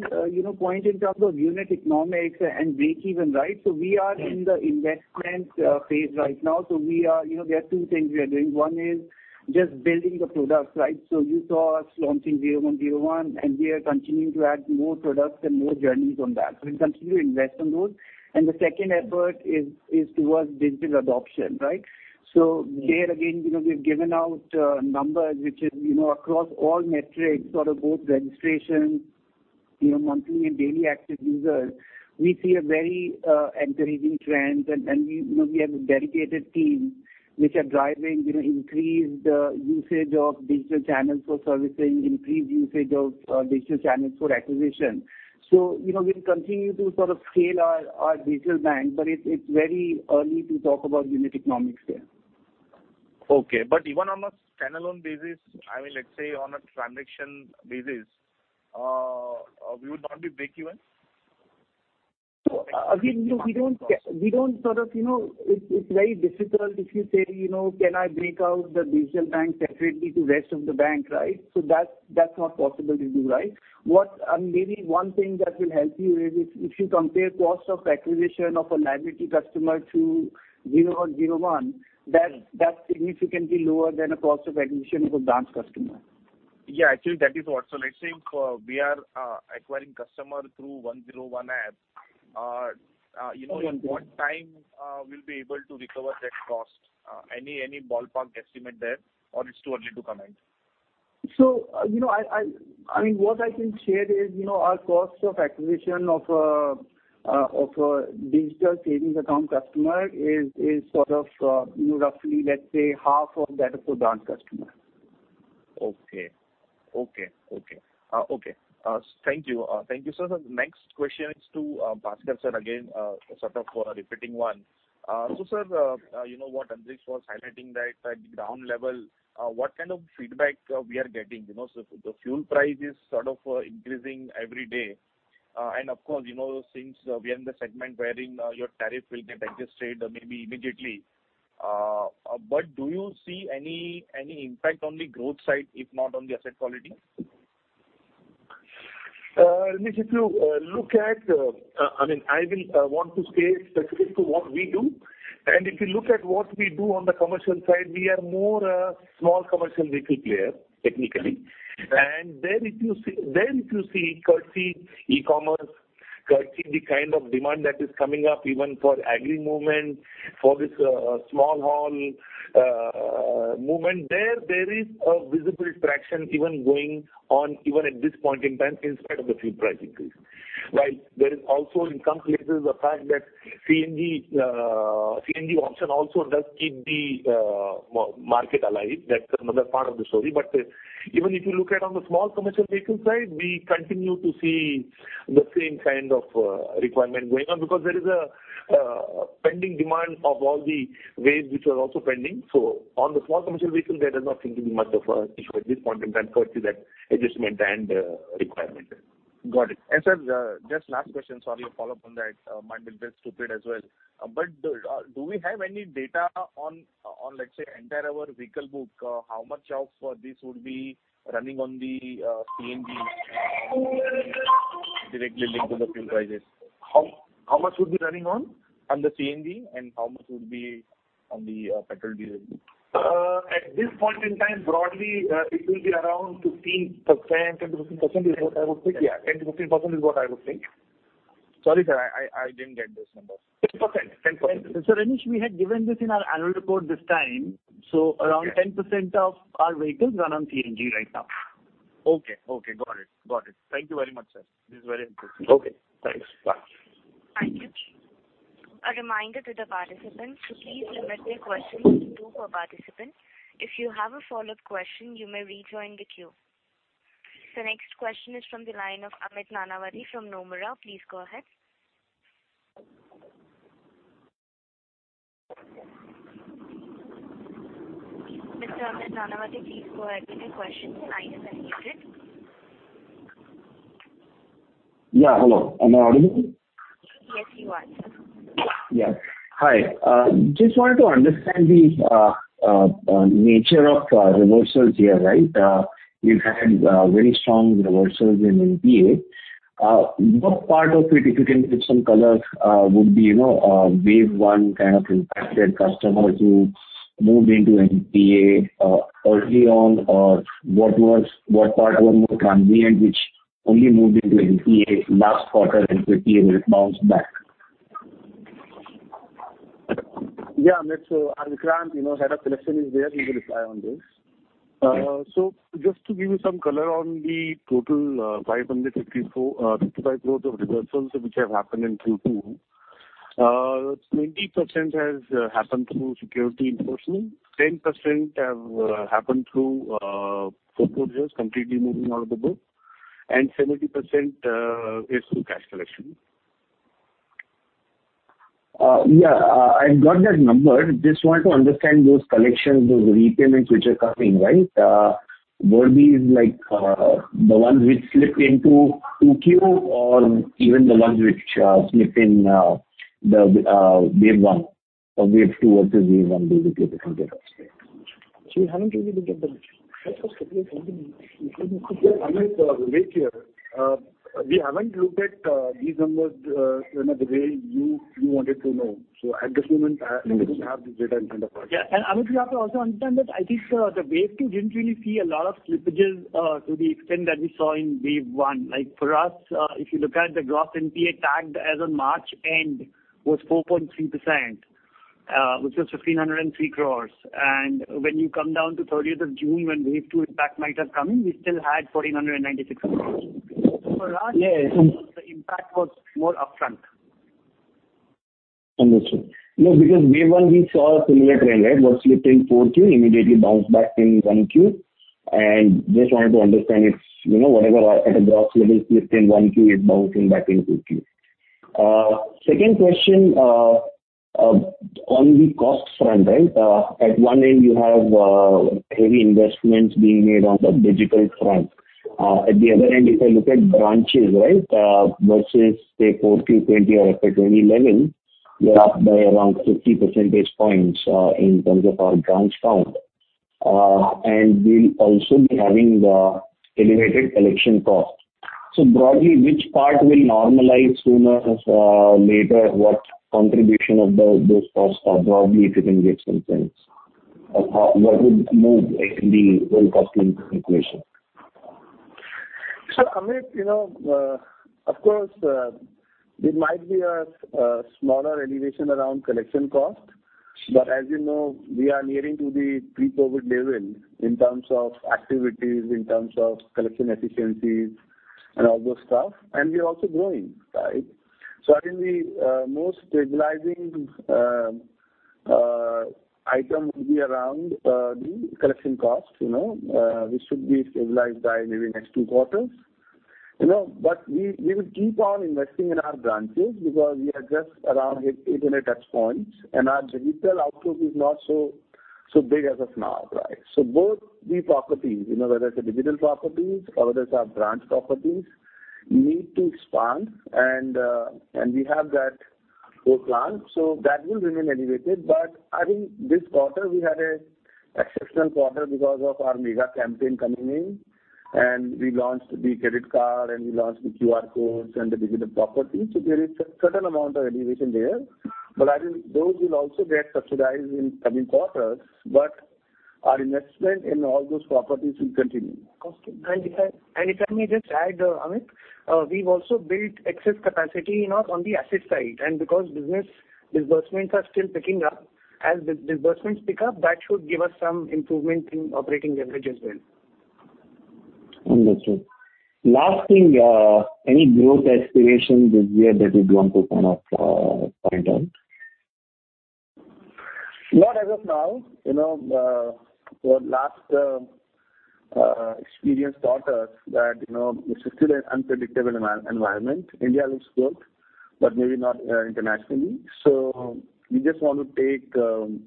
[SPEAKER 14] point in terms of unit economics and breakeven, right? We are in the investment phase right now. There are two things we are doing. One is just building the product, right? You saw us launching zero one zero one, and we are continuing to add more products and more journeys on that. We'll continue to invest on those. The second effort is towards digital adoption, right? There again, we've given out numbers which is across all metrics, sort of both registrations, monthly and daily active users. We see a very encouraging trend. We, you know, we have a dedicated team which are driving, you know, increased usage of digital channels for servicing, increased usage of digital channels for acquisition. You know, we'll continue to sort of scale our digital bank, but it's very early to talk about unit economics there.
[SPEAKER 13] Okay. Even on a standalone basis, I mean, let's say on a transaction basis, we would not be breakeven?
[SPEAKER 14] Again, you know, we don't sort of, you know. It's very difficult if you say, you know, can I break out the digital bank separately to rest of the bank, right? That's not possible to do, right? What maybe one thing that will help you is if you compare cost of acquisition of a liability customer through 0101, that's significantly lower than a cost of acquisition of a branch customer.
[SPEAKER 13] Yeah, actually, that is what. Let's say if we are acquiring customer through 101 app, you know-
[SPEAKER 14] 101.
[SPEAKER 13] In what time, we'll be able to recover that cost? Any ballpark estimate there, or it's too early to comment?
[SPEAKER 14] You know, I mean, what I can share is, you know, our cost of acquisition of a digital savings account customer is sort of, you know, roughly, let's say, half of that of a branch customer.
[SPEAKER 13] Thank you, sir. Next question is to Bhaskar, sir, again, sort of a repeating one. Sir, you know what Antariksha was highlighting that at the ground level, what kind of feedback we are getting? You know, the fuel price is sort of increasing every day. And of course, you know, since we are in the segment wherein your tariff will get adjusted maybe immediately. But do you see any impact on the growth side, if not on the asset quality?
[SPEAKER 14] Ramesh, if you look at what we do, I mean, I will want to stay specific to what we do, and if you look at what we do on the commercial side, we are more a small commercial vehicle player, technically.
[SPEAKER 13] Right.
[SPEAKER 14] If you see courtesy e-commerce, courtesy the kind of demand that is coming up even for agri movement, for this small haul movement, there is a visible traction going on at this point in time in spite of the fuel price increase. While there is also in some places the fact that CNG option also does keep the market alive. That's another part of the story. Even if you look at on the small commercial vehicle side, we continue to see the same kind of requirement going on because there is a pending demand of all the waves which are also pending. On the small commercial vehicle, there does not seem to be much of an issue at this point in time courtesy that adjustment and requirement. Got it. Sir, just last question. Sorry, a follow-up on that. Might be a bit stupid as well. Do we have any data on, let's say, entire our vehicle book, how much of this would be running on the CNG directly linked to the fuel prices? How much would be running on the CNG and how much would be on the petrol diesel? At this point in time, broadly, it will be around 15%, 10%-15% is what I would think. Yeah, 10%-15% is what I would think.
[SPEAKER 13] Sorry, sir, I didn't get this number.
[SPEAKER 14] 10%.
[SPEAKER 13] Sir Ramesh, we had given this in our annual report this time.
[SPEAKER 2] Okay. Around 10% of our vehicles run on CNG right now.
[SPEAKER 13] Okay. Got it. Thank you very much, sir. This is very interesting.
[SPEAKER 3] Okay, thanks. Bye.
[SPEAKER 1] Thank you. A reminder to the participants to please limit their questions to two per participant. If you have a follow-up question, you may rejoin the queue. The next question is from the line of Amit Nanavati from Nomura. Please go ahead. Mr. Amit Nanavati, please go ahead with your question. The line is unmuted.
[SPEAKER 15] Yeah, hello. Am I audible?
[SPEAKER 1] Yes, you are.
[SPEAKER 15] Yeah. Hi. Just wanted to understand the nature of reversals here, right? You've had very strong reversals in NPA. What part of it, if you can give some color, would be, you know, wave one kind of impacted customers who moved into NPA early on? Or what part was more transient, which only moved into NPA last quarter and quickly will bounce back?
[SPEAKER 3] Yeah, Amit. Our Vikrant, you know, head of collection is there. He will reply on this.
[SPEAKER 15] Okay.
[SPEAKER 8] Just to give you some color on the total 555 crore of reversals which have happened in Q2. 20% has happened through security enforcement, 10% have happened through forfeitures completely moving out of the book, and 70% is through cash collection.
[SPEAKER 15] Yeah. I've got that number. Just want to understand those collections, those repayments which are coming, right? Were these like, the ones which slipped into 2Q or even the ones which slipped in the wave one or wave two versus wave one?
[SPEAKER 5] We haven't really looked at them. Amit, Vikrant here. We haven't looked at these numbers, you know, the way you wanted to know. At this moment, we don't have the data in front of us. Yeah. Amit, you have to also understand that I think, the wave two didn't really see a lot of slippages, to the extent that we saw in wave one. Like for us, if you look at the gross NPA tagged as on March end was 4.3%, which was 1,503 crores. When you come down to 30th of June, when wave two impact might have come in, we still had 1,496 crores. For us-
[SPEAKER 15] Yes.
[SPEAKER 5] The impact was more upfront.
[SPEAKER 15] Understood. No, because wave one we saw a similar trend, right? What slipped in Q4 immediately bounced back in Q1. Just wanted to understand if, you know, whatever at a gross level slipped in Q1, it's bouncing back in Q2. Second question on the cost front, right? At one end you have heavy investments being made on the digital front. At the other end, if I look at branches, right, versus say Q4 2020 or at a 2020 level, you're up by around 50 percentage points in terms of our branch count. and we'll also be having the elevated collection cost. Broadly, which part will normalize sooner, later? What contribution of those costs are broadly, if you can give some sense? Or what would move in the whole cost equation?
[SPEAKER 3] Amit, of course, there might be a smaller elevation around collection cost, but as you know, we are nearing to the pre-COVID level in terms of activities, in terms of collection efficiencies and all those stuff, and we are also growing, right? I think the most stabilizing item will be around the collection cost, you know, which should be stabilized by maybe next 2 quarters. You know, but we will keep on investing in our branches because we are just around 800 touchpoints, and our digital outlook is not so big as of now, right? Both the properties, you know, whether it's a digital properties or whether it's our branch properties, we need to expand and we have that whole plan. That will remain elevated. I think this quarter we had an exceptional quarter because of our mega campaign coming in, and we launched the credit card and we launched the QR codes and the digital properties. There is a certain amount of elevation there. I think those will also get subsidized in coming quarters. Our investment in all those properties will continue. Okay. If I may just add, Amit, we've also built excess capacity, you know, on the asset side. Because business disbursements are still picking up, as the disbursements pick up, that should give us some improvement in operating leverage as well.
[SPEAKER 15] Understood. Last thing, any growth aspirations this year that you'd want to kind of, point out?
[SPEAKER 3] Not as of now. You know, what last experience taught us that, you know, this is still an unpredictable environment. India looks good, but maybe not internationally. We just want to take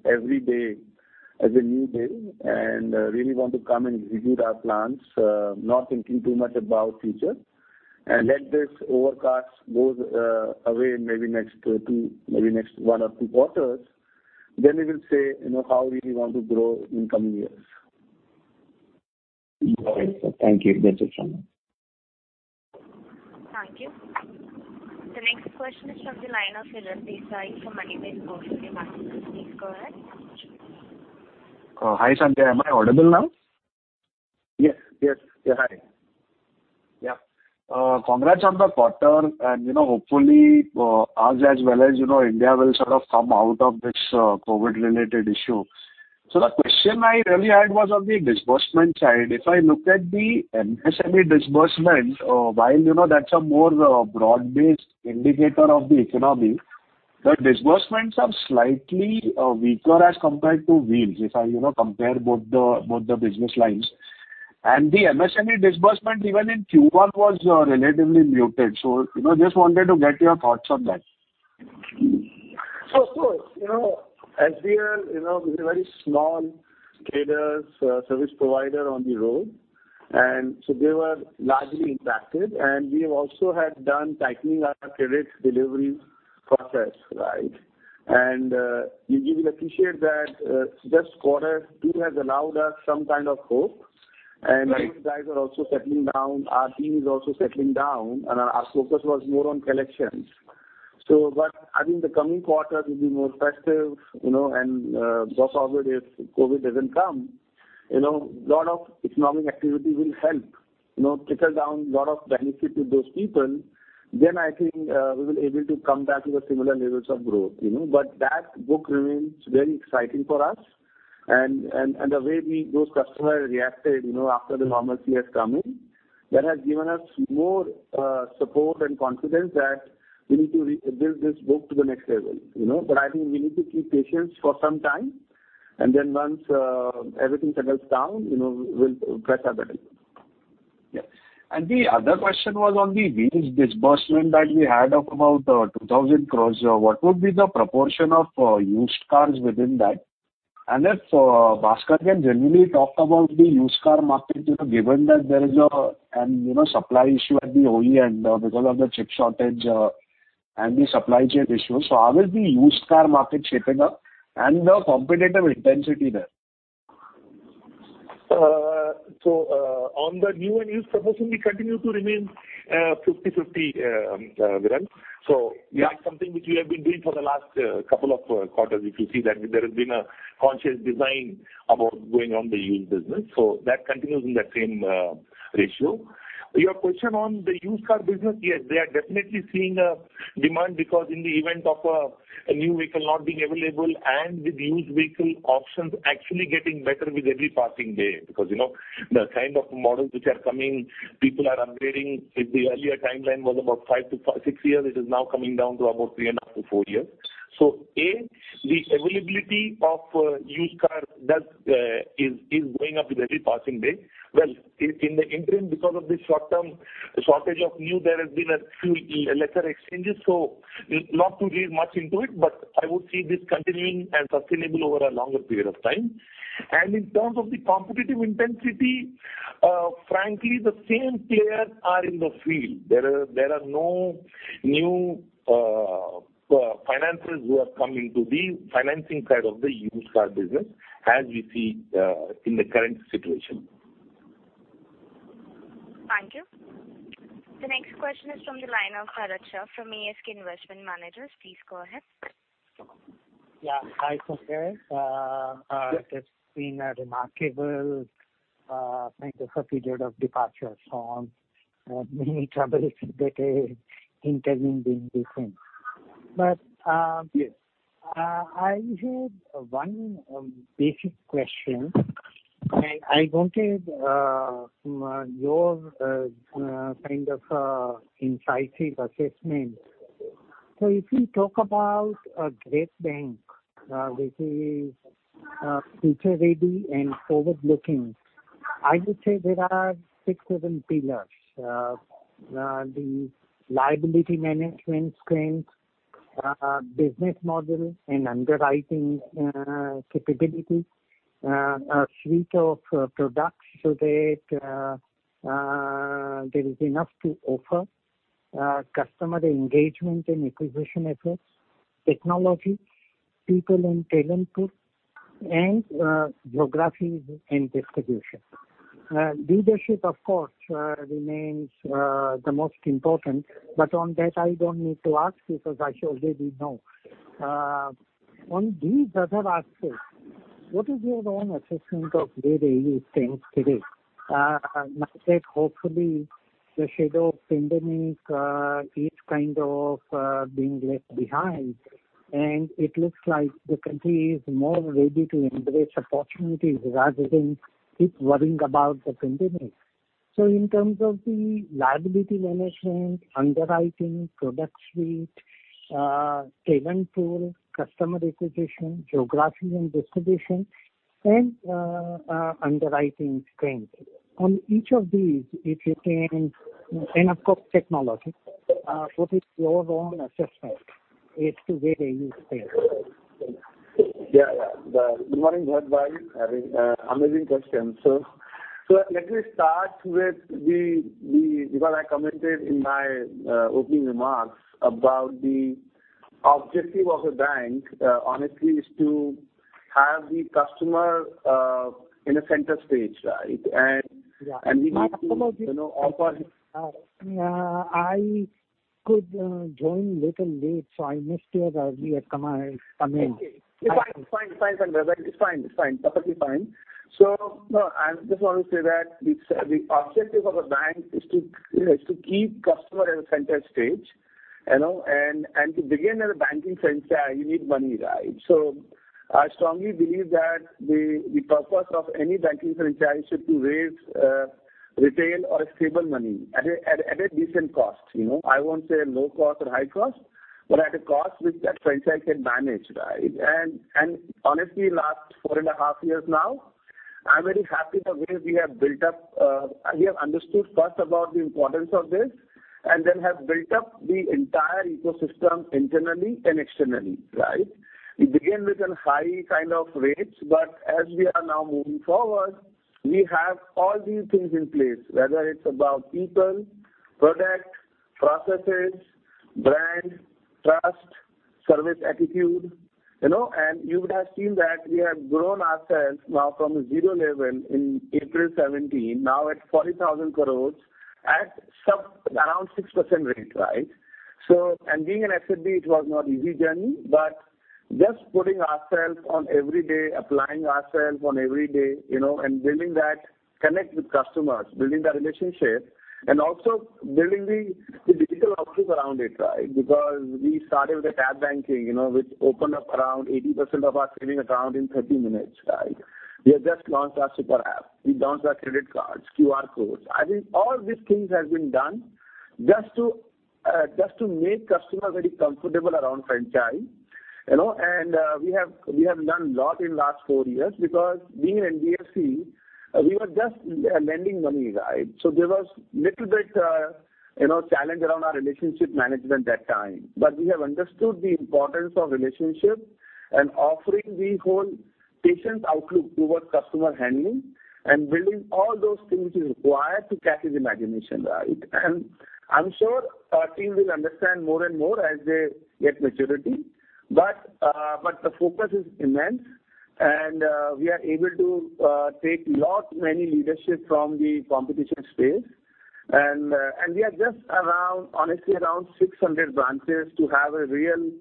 [SPEAKER 3] every day as a new day and really want to come and execute our plans not thinking too much about future. Let this overcast goes away maybe next two maybe next one or two quarters, then we will say, you know, how we want to grow in coming years.
[SPEAKER 15] All right, sir. Thank you. That's it from me.
[SPEAKER 1] Thank you. The next question is from the line of Viren Desai from Edelweiss. Your line is open. Please go ahead.
[SPEAKER 16] Hi, Sanjay. Am I audible now?
[SPEAKER 3] Yes. Yes. Yeah, hi.
[SPEAKER 12] Yeah. Congrats on the quarter and, you know, hopefully, us as well as, you know, India will sort of come out of this COVID related issue. The question I really had was on the disbursement side. If I look at the MSME disbursement, while, you know, that's a more broad-based indicator of the economy, the disbursements are slightly weaker as compared to Wheels, if I, you know, compare both the business lines. The MSME disbursement even in Q1 was relatively muted. Just wanted to get your thoughts on that.
[SPEAKER 3] You know, SBL, you know, we're a very small caterers service provider on the road. They were largely impacted, and we have also had done tightening our credit delivery process, right? You will appreciate that this quarter too has allowed us some kind of hope.
[SPEAKER 16] Right.
[SPEAKER 3] You guys are also settling down, our team is also settling down, and our focus was more on collections. But I think the coming quarter will be more festive, you know, and God forbid if COVID doesn't come, you know, lot of economic activity will help, you know, trickle down lot of benefit to those people. I think we will be able to come back to the similar levels of growth, you know.
[SPEAKER 16] But that book remains very exciting for us. And the way those customers reacted, you know, after the normalcy has come in, that has given us more support and confidence that we need to rebuild this book to the next level, you know. But I think we need to keep patience for some time, and then once everything settles down, you know, we'll press ahead. Yeah. The other question was on the Wheels disbursement that we had of about 2,000 crore. What would be the proportion of used cars within that? If Bhaskar can generally talk about the used car market, you know, given that there is a supply issue at the OEM end because of the chip shortage and the supply chain issues. How is the used car market shaping up and the competitive intensity there?
[SPEAKER 3] On the new and used proportion, we continue to remain 50/50, Viren.
[SPEAKER 16] Yeah.
[SPEAKER 3] That's something which we have been doing for the last couple of quarters. If you see that there has been a conscious design about going on the used business. That continues in that same ratio. Your question on the used car business, yes, we are definitely seeing a demand because in the event of a new vehicle not being available and with used vehicle options actually getting better with every passing day. Because, you know, the kind of models which are coming, people are upgrading. If the earlier timeline was about five to six years, it is now coming down to about three and a half to four years. A, the availability of used cars is going up with every passing day. In the interim, because of this short-term shortage of new, there has been a few lesser exchanges. Not to read much into it, but I would see this continuing and sustainable over a longer period of time. In terms of the competitive intensity, frankly, the same players are in the field. There are no new financiers who have come into the financing side of the used car business as we see in the current situation.
[SPEAKER 1] Thank you. The next question is from the line of Bharat Shah from ASK Investment Managers. Please go ahead.
[SPEAKER 17] Yeah. Hi, Sanjay.
[SPEAKER 3] Yes.
[SPEAKER 17] It's been a remarkable kind of a period of departure from many troubles that are intervening between.
[SPEAKER 3] Yes.
[SPEAKER 17] I have one basic question, and I wanted your kind of incisive assessment. If you talk about a great bank, which is future ready and forward looking, I would say there are six different pillars. The liability management strength, business model and underwriting capability, a suite of products so that there is enough to offer, customer engagement and acquisition efforts, technology, people and talent pool, and geography and distribution. Leadership, of course, remains the most important, but on that, I don't need to ask because I already know. On these other aspects, what is your own assessment of where AU stands today? Now that hopefully the shadow of pandemic is kind of being left behind, and it looks like the country is more ready to embrace opportunities rather than keep worrying about the pandemic. In terms of the liability management, underwriting, product suite, talent pool, customer acquisition, geography and distribution, and underwriting strength. On each of these, if you can and of course, technology, what is your own assessment as to where AU stands?
[SPEAKER 3] Yeah. Good morning, Barbhai. You have amazing questions. Because I commented in my opening remarks about the objective of a bank, honestly, is to have the customer in a center stage, right?
[SPEAKER 17] Yeah.
[SPEAKER 3] We need to, you know, offer.
[SPEAKER 17] I could join little late, so I missed your earlier comment coming.
[SPEAKER 3] Okay. It's fine, Barbhai. Perfectly fine. No, I just want to say that the objective of a bank is to, you know, keep customer in the center stage, you know. To begin a banking franchise, you need money, right? I strongly believe that the purpose of any banking franchise is to raise retail or stable money at a decent cost, you know. I won't say low cost or high cost, but at a cost which that franchise can manage, right? Honestly, last four and a half years now, I'm very happy the way we have built up. We have understood first about the importance of this and then have built up the entire ecosystem internally and externally, right? We began with a high kind of rates, but as we are now moving forward, we have all these things in place, whether it's about people, product, processes, brand, trust, service attitude, you know. You would have seen that we have grown ourselves now from a zero level in April 2017, now at 40,000 crore at some around 6% rate, right? Being an SFB, it was not easy journey, but just putting ourselves on every day, applying ourselves on every day, you know, and building that connect with customers, building that relationship and also building the digital options around it, right? Because we started with a tab banking, you know, which opened up around 80% of our saving account in 30 minutes, right? We have just launched our super app. We launched our credit cards, QR codes. I think all these things have been done just to make customer very comfortable around franchise, you know. We have done lot in last four years because being an NBFC, we were just lending money, right? There was little bit, you know, challenge around our relationship management that time. We have understood the importance of relationship and offering the holistic outlook towards customer handling and building all those things required to catch his imagination, right? I'm sure our team will understand more and more as they get maturity. The focus is immense and we are able to take lot many learnings from the competition space. We are just around, honestly, around 600 branches to have a real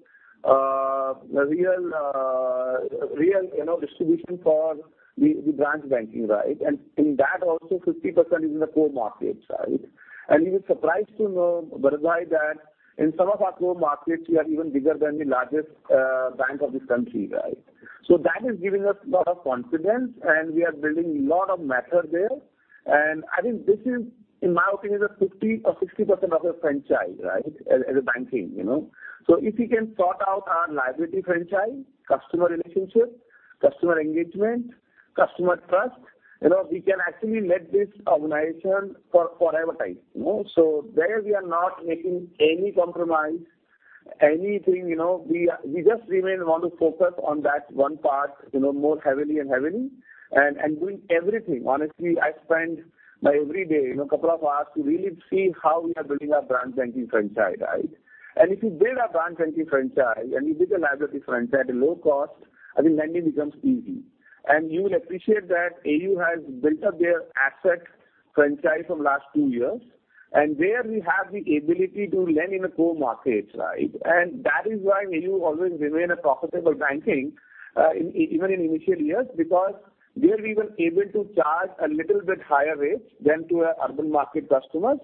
[SPEAKER 3] distribution for the branch banking, right? In that also 50% is in the core markets, right? You will be surprised to know, Barbhai, that in some of our core markets we are even bigger than the largest bank of this country, right? That is giving us lot of confidence and we are building lot of momentum there. I think this is, in my opinion, a 50 or 60% of the franchise, right, as a banking, you know. If we can sort out our liability franchise, customer relationship, customer engagement, customer trust, you know, we can actually lead this organization for forever type, you know. There we are not making any compromise, anything, you know. We just want to focus on that one part, you know, more heavily, and doing everything. Honestly, I spend every day, you know, a couple of hours to really see how we are building our branch banking franchise, right? If you build a branch banking franchise and you build a liability franchise at a low cost, I think lending becomes easy. You will appreciate that AU has built up their asset franchise from last two years, and there we have the ability to lend in the core markets, right? That is why AU always remains a profitable bank even in initial years because there we were able to charge a little bit higher rates than our urban market customers.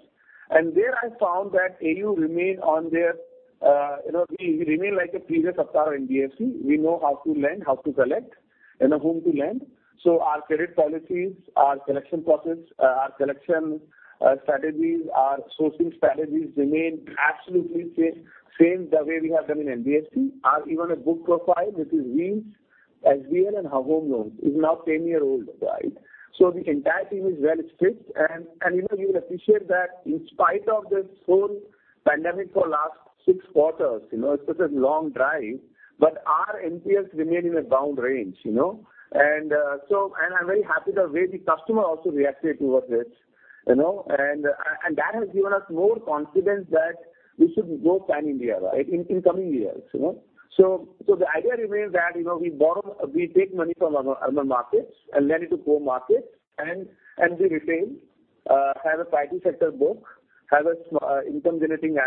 [SPEAKER 3] There I found that AU remains one of, you know, we remain like a previous avatar NBFC. We know how to lend, how to collect, you know, whom to lend. Our credit policies, our collection process, our collection strategies, our sourcing strategies remain absolutely same the way we have done in NBFC. Our vintage book profile which is green. As we are in our home loans is now 10 years old, right? The entire team is well fit. You know, you will appreciate that in spite of this whole pandemic for last 6 quarters, you know, it's such a long drive, but our NPS remained in a band range, you know. I'm very happy the way the customer also reacted towards it, you know. That has given us more confidence that we should go pan-India, right, in coming years, you know. The idea remains that, you know, we borrow, we take money from urban markets and lend it to rural markets and we retain a priority sector book, have income generating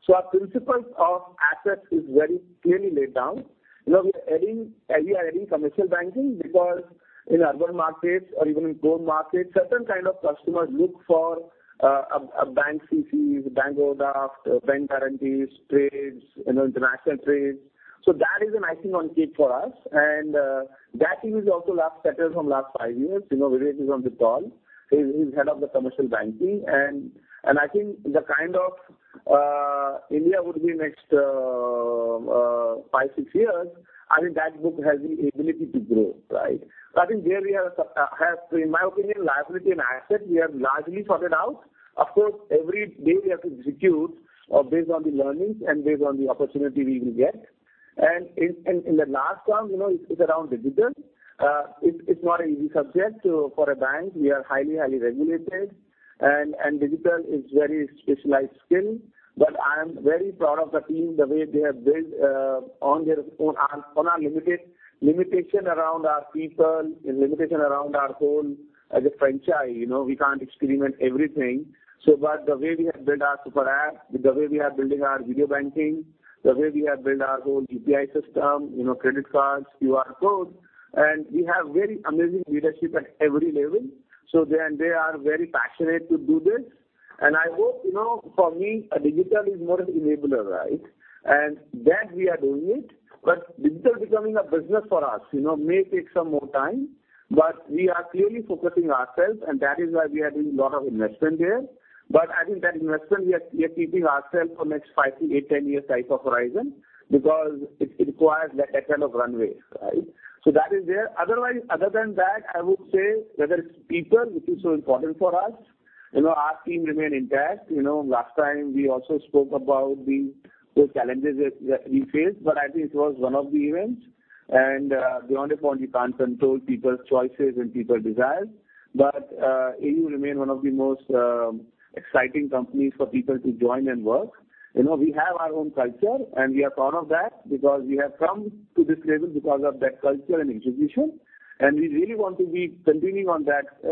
[SPEAKER 3] assets. Our principal assets are very clearly laid down. You know, we are adding commercial banking because in urban markets or even in rural markets, certain kind of customers look for a bank CCs, bank overdraft, bank guarantees, trades, you know, international trades. That is icing on the cake for us. That team is also well settled for the last five years. You know, Vivek is on the call. He's Head of Commercial Banking. I think India would be next five six years. I think that book has the ability to grow, right? I think there we have, in my opinion, liability and asset, we have largely sorted out. Of course, every day we have to execute based on the learnings and based on the opportunity we will get. In the last round, you know, it's around digital. It's not an easy subject. For a bank, we are highly regulated and digital is very specialized skill. But I am very proud of the team, the way they have built on their own, on our limited limitation around our people and limitation around our role as a franchise. You know, we can't experiment everything. The way we have built our super app, the way we are building our video banking, the way we have built our whole UPI system, you know, credit cards, QR codes, and we have very amazing leadership at every level. They're, they are very passionate to do this. I hope, you know, for me, a digital is more an enabler, right? And that we are doing it. Digital becoming a business for us, you know, may take some more time, but we are clearly focusing ourselves and that is why we are doing lot of investment there. I think that investment we are, we are keeping ourself for next five ,eight, 10 years type of horizon because it requires that kind of runway, right? That is there. Otherwise, other than that, I would say whether it's people, which is so important for us, you know, our team remain intact. You know, last time we also spoke about the those challenges that we faced, but I think it was one of the events. Beyond a point you can't control people's choices and people desires. AU remain one of the most exciting companies for people to join and work. You know, we have our own culture, and we are proud of that because we have come to this level because of that culture and execution. We really want to be continuing on that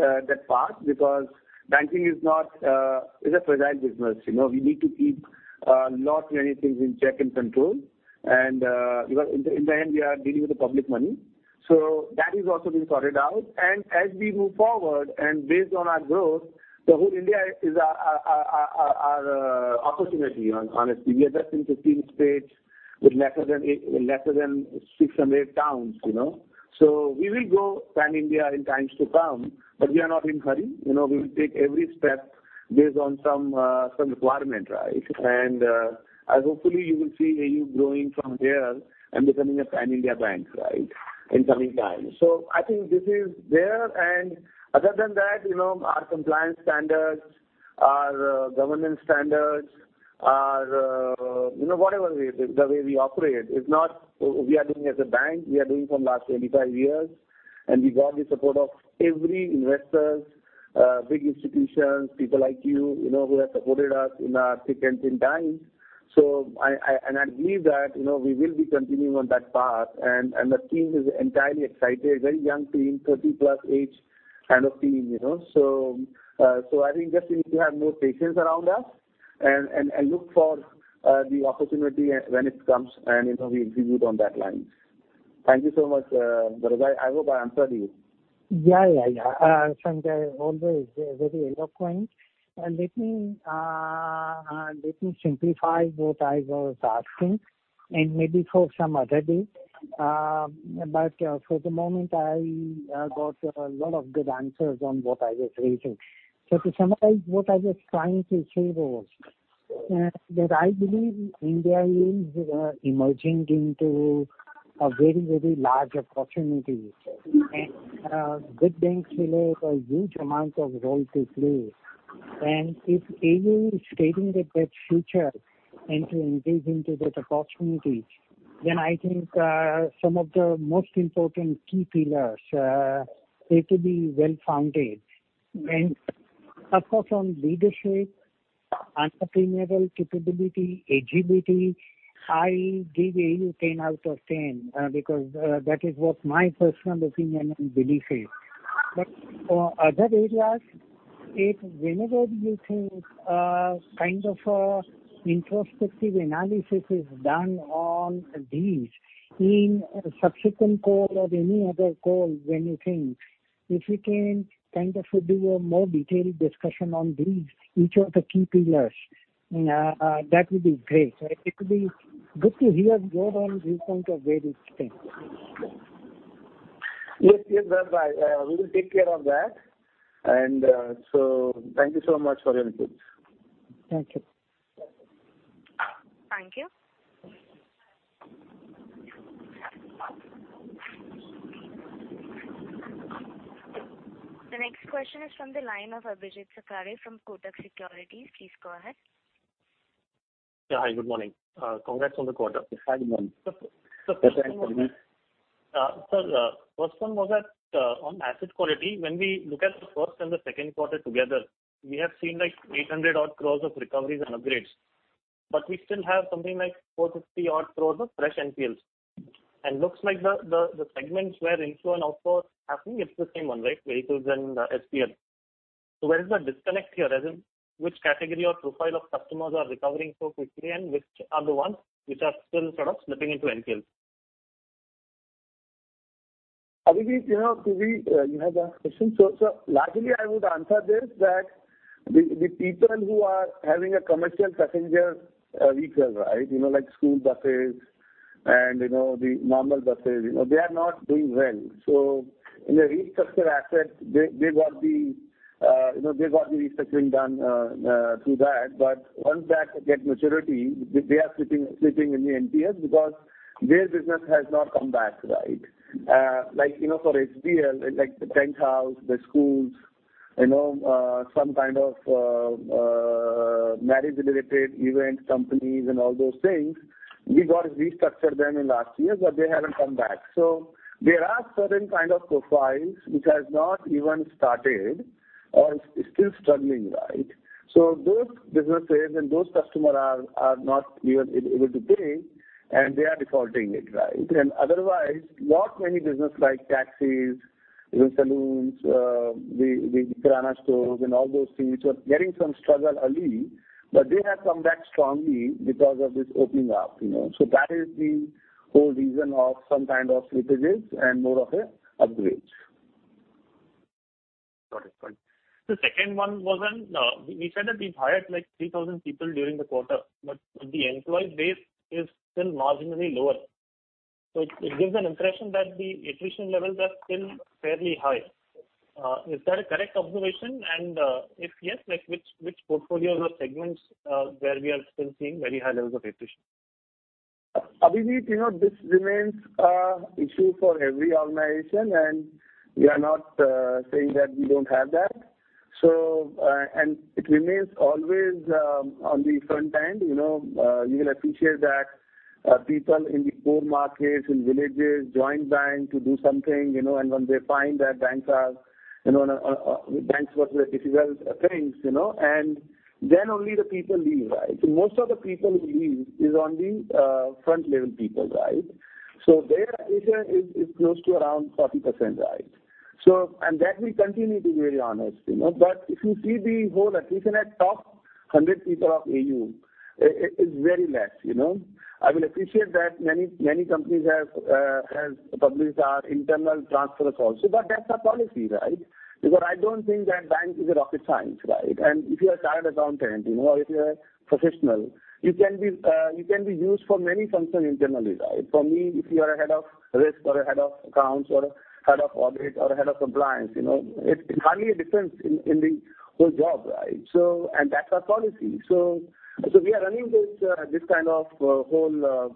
[SPEAKER 3] path because banking is not a fragile business. You know, we need to keep a lot many things in check and control and, because in the end, we are dealing with the public money. That is also being sorted out. As we move forward and based on our growth, the whole India is our opportunity, honestly. We are just in 15 states with less than 8, less than 600 towns, you know. We will go pan-India in times to come, but we are not in a hurry. You know, we will take every step based on some requirement, right? As hopefully you will see AU growing from here and becoming a pan-India bank, right, in coming times. I think this is there. Other than that, you know, our compliance standards, our governance standards, our, you know, whatever way, the way we operate is not. We are doing as a bank. We are doing from last 25 years, and we got the support of every investors, big institutions, people like you know, who have supported us in our thick and thin times. I believe that, you know, we will be continuing on that path. The team is entirely excited, very young team, 30-plus age kind of team, you know. I think just we need to have more patience around us and look for the opportunity when it comes and, you know, we will be good on that line. Thank you so much, Bharat Bhai. I hope I answered you.
[SPEAKER 17] Yeah, yeah. Sanjay, always very eloquent. Let me simplify what I was asking and maybe for some other day. For the moment, I got a lot of good answers on what I was raising. To summarize what I was trying to say was that I believe India is emerging into a very, very large opportunity itself. Good banks will have a huge amount of role to play. If AU is stating that future and to engage into that opportunity, then I think some of the most important key pillars need to be well founded. Apart from leadership, entrepreneurial capability, agility, I give AU 10 out of 10 because that is what my personal opinion and belief is. For other areas, if whenever you think, kind of a introspective analysis is done on these in a subsequent call or any other call when you think, if we can kind of do a more detailed discussion on these, each of the key pillars, that would be great. It would be good to hear your own viewpoint of where these things.
[SPEAKER 3] Yes, yes, Durgai. We will take care of that. Thank you so much for your inputs.
[SPEAKER 17] Thank you.
[SPEAKER 1] Thank you. The next question is from the line of Abhijeet Sakhare from Kotak Securities. Please go ahead.
[SPEAKER 18] Yeah. Hi, good morning. Congrats on the quarter.
[SPEAKER 3] Hi, good morning.
[SPEAKER 18] Sir, first one was that on asset quality, when we look at the first and the second quarter together, we have seen like 800 odd crores of recoveries and upgrades, but we still have something like 450 odd crores of fresh NPLs. Looks like the segments where inflow and outflow happening, it's the same one, right? Vehicles and SBL. Where is the disconnect here? As in which category or profile of customers are recovering so quickly and which are the ones which are still sort of slipping into NPL?
[SPEAKER 3] Abhijeet, you know, you have the question. Largely I would answer this that the people who are having a commercial passenger vehicles, right? You know, like school buses and you know, the normal buses, you know, they are not doing well. In a restructured asset they got the restructuring done through that. But once that get maturity, they are slipping in the NPAs because their business has not come back, right? Like, you know, for SBL, like the tent house, the schools, you know, some kind of marriage related event companies and all those things, we got restructured them in last year, but they haven't come back. There are certain kind of profiles which has not even started or still struggling, right? Those businesses and those customers are not even able to pay and they are defaulting it, right? Otherwise, lot many businesses like taxis, even salons, the kirana stores and all those things which were getting some struggle early, but they have come back strongly because of this opening up, you know. That is the whole reason of some kind of slippages and more of a upgrades.
[SPEAKER 18] Got it. The second one was on you said that we've hired like 3,000 people during the quarter, but the employee base is still marginally lower. It gives an impression that the attrition levels are still fairly high. Is that a correct observation? If yes, like which portfolios or segments where we are still seeing very high levels of attrition?
[SPEAKER 3] Abhijeet, you know, this remains an issue for every organization, and we are not saying that we don't have that. It remains always on the front end, you know. You will appreciate that people in the poor markets, in villages join bank to do something, you know, and when they find that banks are very difficult things, you know, and then only the people leave, right? Most of the people who leave is on the front level people, right? Their attrition is close to around 40%, right? That will continue to be very honest, you know. But if you see the whole attrition at top 100 people of AU, it is very less, you know. I would appreciate that many companies have published their internal transfers also, but that's our policy, right? Because I don't think that banking is rocket science, right? If you are a chartered accountant, you know, if you are a professional, you can be used for many functions internally, right? For me, if you are a head of risk or a head of accounts or a head of audit or a head of compliance, you know, it's hardly a difference in the whole job, right? And that's our policy. We are running this kind of whole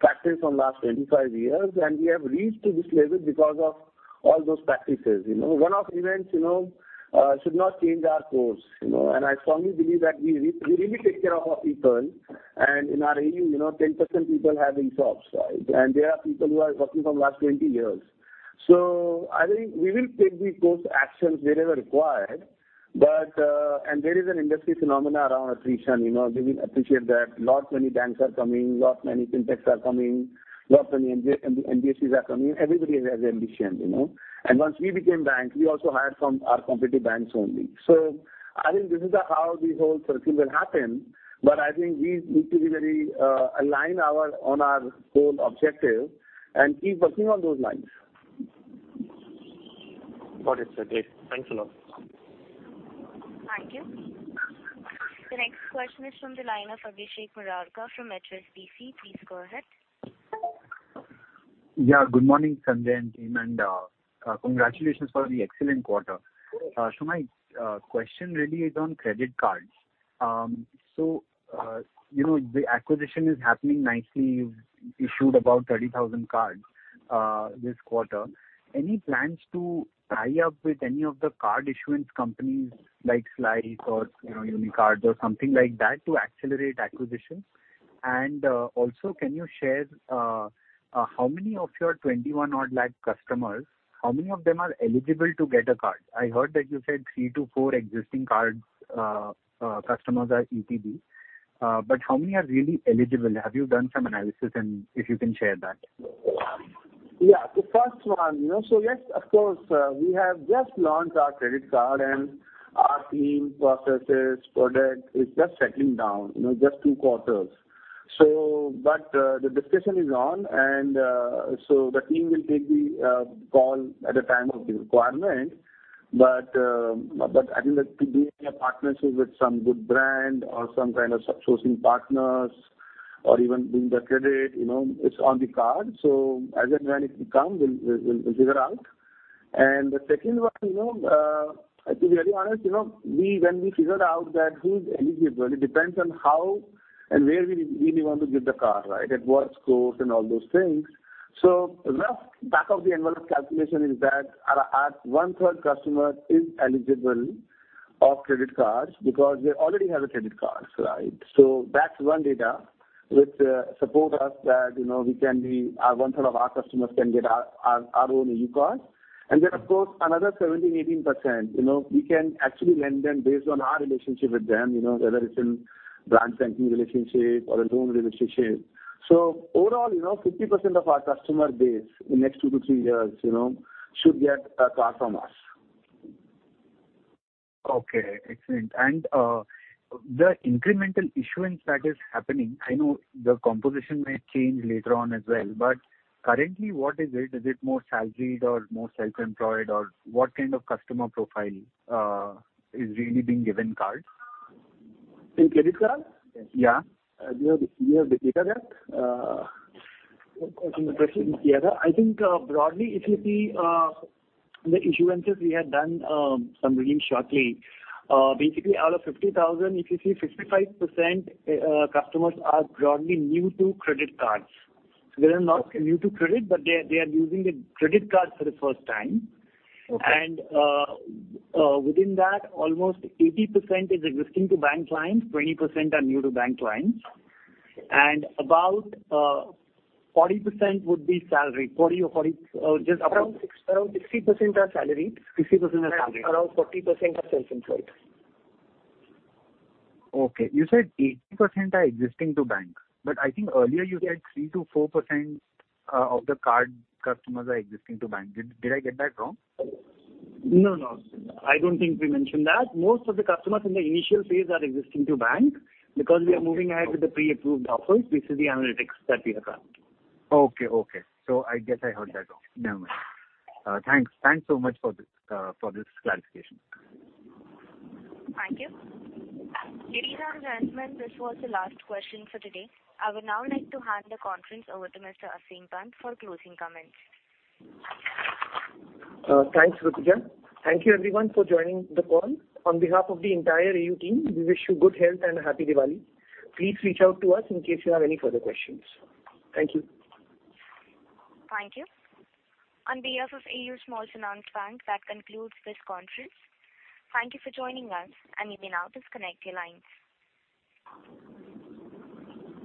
[SPEAKER 3] practice from last 25 years, and we have reached to this level because of all those practices, you know. One-off events, you know, should not change our course, you know. I strongly believe that we really take care of our people. In our AU, you know, 10% people have been jobs, right? There are people who are working from last 20 years. I think we will take corrective actions wherever required. There is an industry phenomenon around attrition, you know. We will appreciate that lots many banks are coming, lots many fintechs are coming, lots many NBFCs are coming. Everybody has ambition, you know. Once we became bank, we also hired from our competitive banks only. I think this is how the whole circle will happen. I think we need to be very aligned on our whole objective and keep working on those lines.
[SPEAKER 18] Got it, sir. Great. Thanks a lot.
[SPEAKER 1] Thank you. The next question is from the line of Abhishek Murarka from HSBC. Please go ahead.
[SPEAKER 19] Yeah, good morning, Sanjay and team, and congratulations for the excellent quarter. So my question really is on credit cards. You know, the acquisition is happening nicely. You've issued about 30,000 cards this quarter. Any plans to tie up with any of the card issuance companies like slice or, you know, Uni Cards or something like that to accelerate acquisitions? And also can you share how many of your 21-odd lakh customers, how many of them are eligible to get a card? I heard that you said 3-4 existing card customers are ETB, but how many are really eligible? Have you done some analysis and if you can share that?
[SPEAKER 3] Yeah. The first one, you know, yes, of course, we have just launched our credit card and our Temenos product is just settling down, you know, just 2 quarters. The discussion is on and the team will take the call at a time of the requirement. I think that could be a partnership with some good brand or some kind of outsourcing partners or even doing the credit, you know, it's on the card. As and when it will come, we'll figure out. The second one, you know, to be very honest, you know, when we figured out that who is eligible, it depends on how and where we want to give the card, right? At what cost and all those things. Rough back-of-the-envelope calculation is that our one-third customer is eligible for credit cards because they already have credit cards, right? That's one data which support us that, you know, one-third of our customers can get our own AU card. Then of course, another 17-18%, you know, we can actually lend them based on our relationship with them, you know, whether it's in branch banking relationship or a loan relationship. Overall, you know, 50% of our customer base in the next two three years, you know, should get a card from us.
[SPEAKER 19] Okay, excellent. The incremental issuance that is happening, I know the composition may change later on as well. Currently, what is it? Is it more salaried or more self-employed, or what kind of customer profile is really being given cards?
[SPEAKER 3] In credit cards?
[SPEAKER 19] Yes.
[SPEAKER 3] We have the data there. Interesting. I think broadly, if you see the issuances we have done. Basically out of 50,000, if you see 55% customers are broadly new to credit cards. They are not new to credit, but they are using the credit card for the first time.
[SPEAKER 19] Okay.
[SPEAKER 3] Within that, almost 80% is existing-to-bank clients, 20% are new-to-bank clients. About 40% would be salaried. Just about
[SPEAKER 19] Around 60% are salaried.
[SPEAKER 14] 60% are salaried.
[SPEAKER 3] Around 40% are self-employed.
[SPEAKER 19] Okay. You said 80% are existing to bank, but I think earlier you said 3%-4% of the card customers are existing to bank. Did I get that wrong?
[SPEAKER 14] No, no. I don't think we mentioned that. Most of the customers in the initial phase are existing to bank because we are moving ahead with the pre-approved offers based on the analytics that we have done.
[SPEAKER 19] Okay. I guess I heard that wrong. Never mind. Thanks. Thanks so much for this, for this clarification.
[SPEAKER 1] Thank you. Nirina and Rajman, this was the last question for today. I would now like to hand the conference over to Mr. Aseem Pant for closing comments.
[SPEAKER 20] Thanks, Rukia. Thank you everyone for joining the call. On behalf of the entire AU team, we wish you good health and happy Diwali. Please reach out to us in case you have any further questions. Thank you.
[SPEAKER 1] Thank you. On behalf of AU Small Finance Bank, that concludes this conference. Thank you for joining us, and you may now disconnect your lines.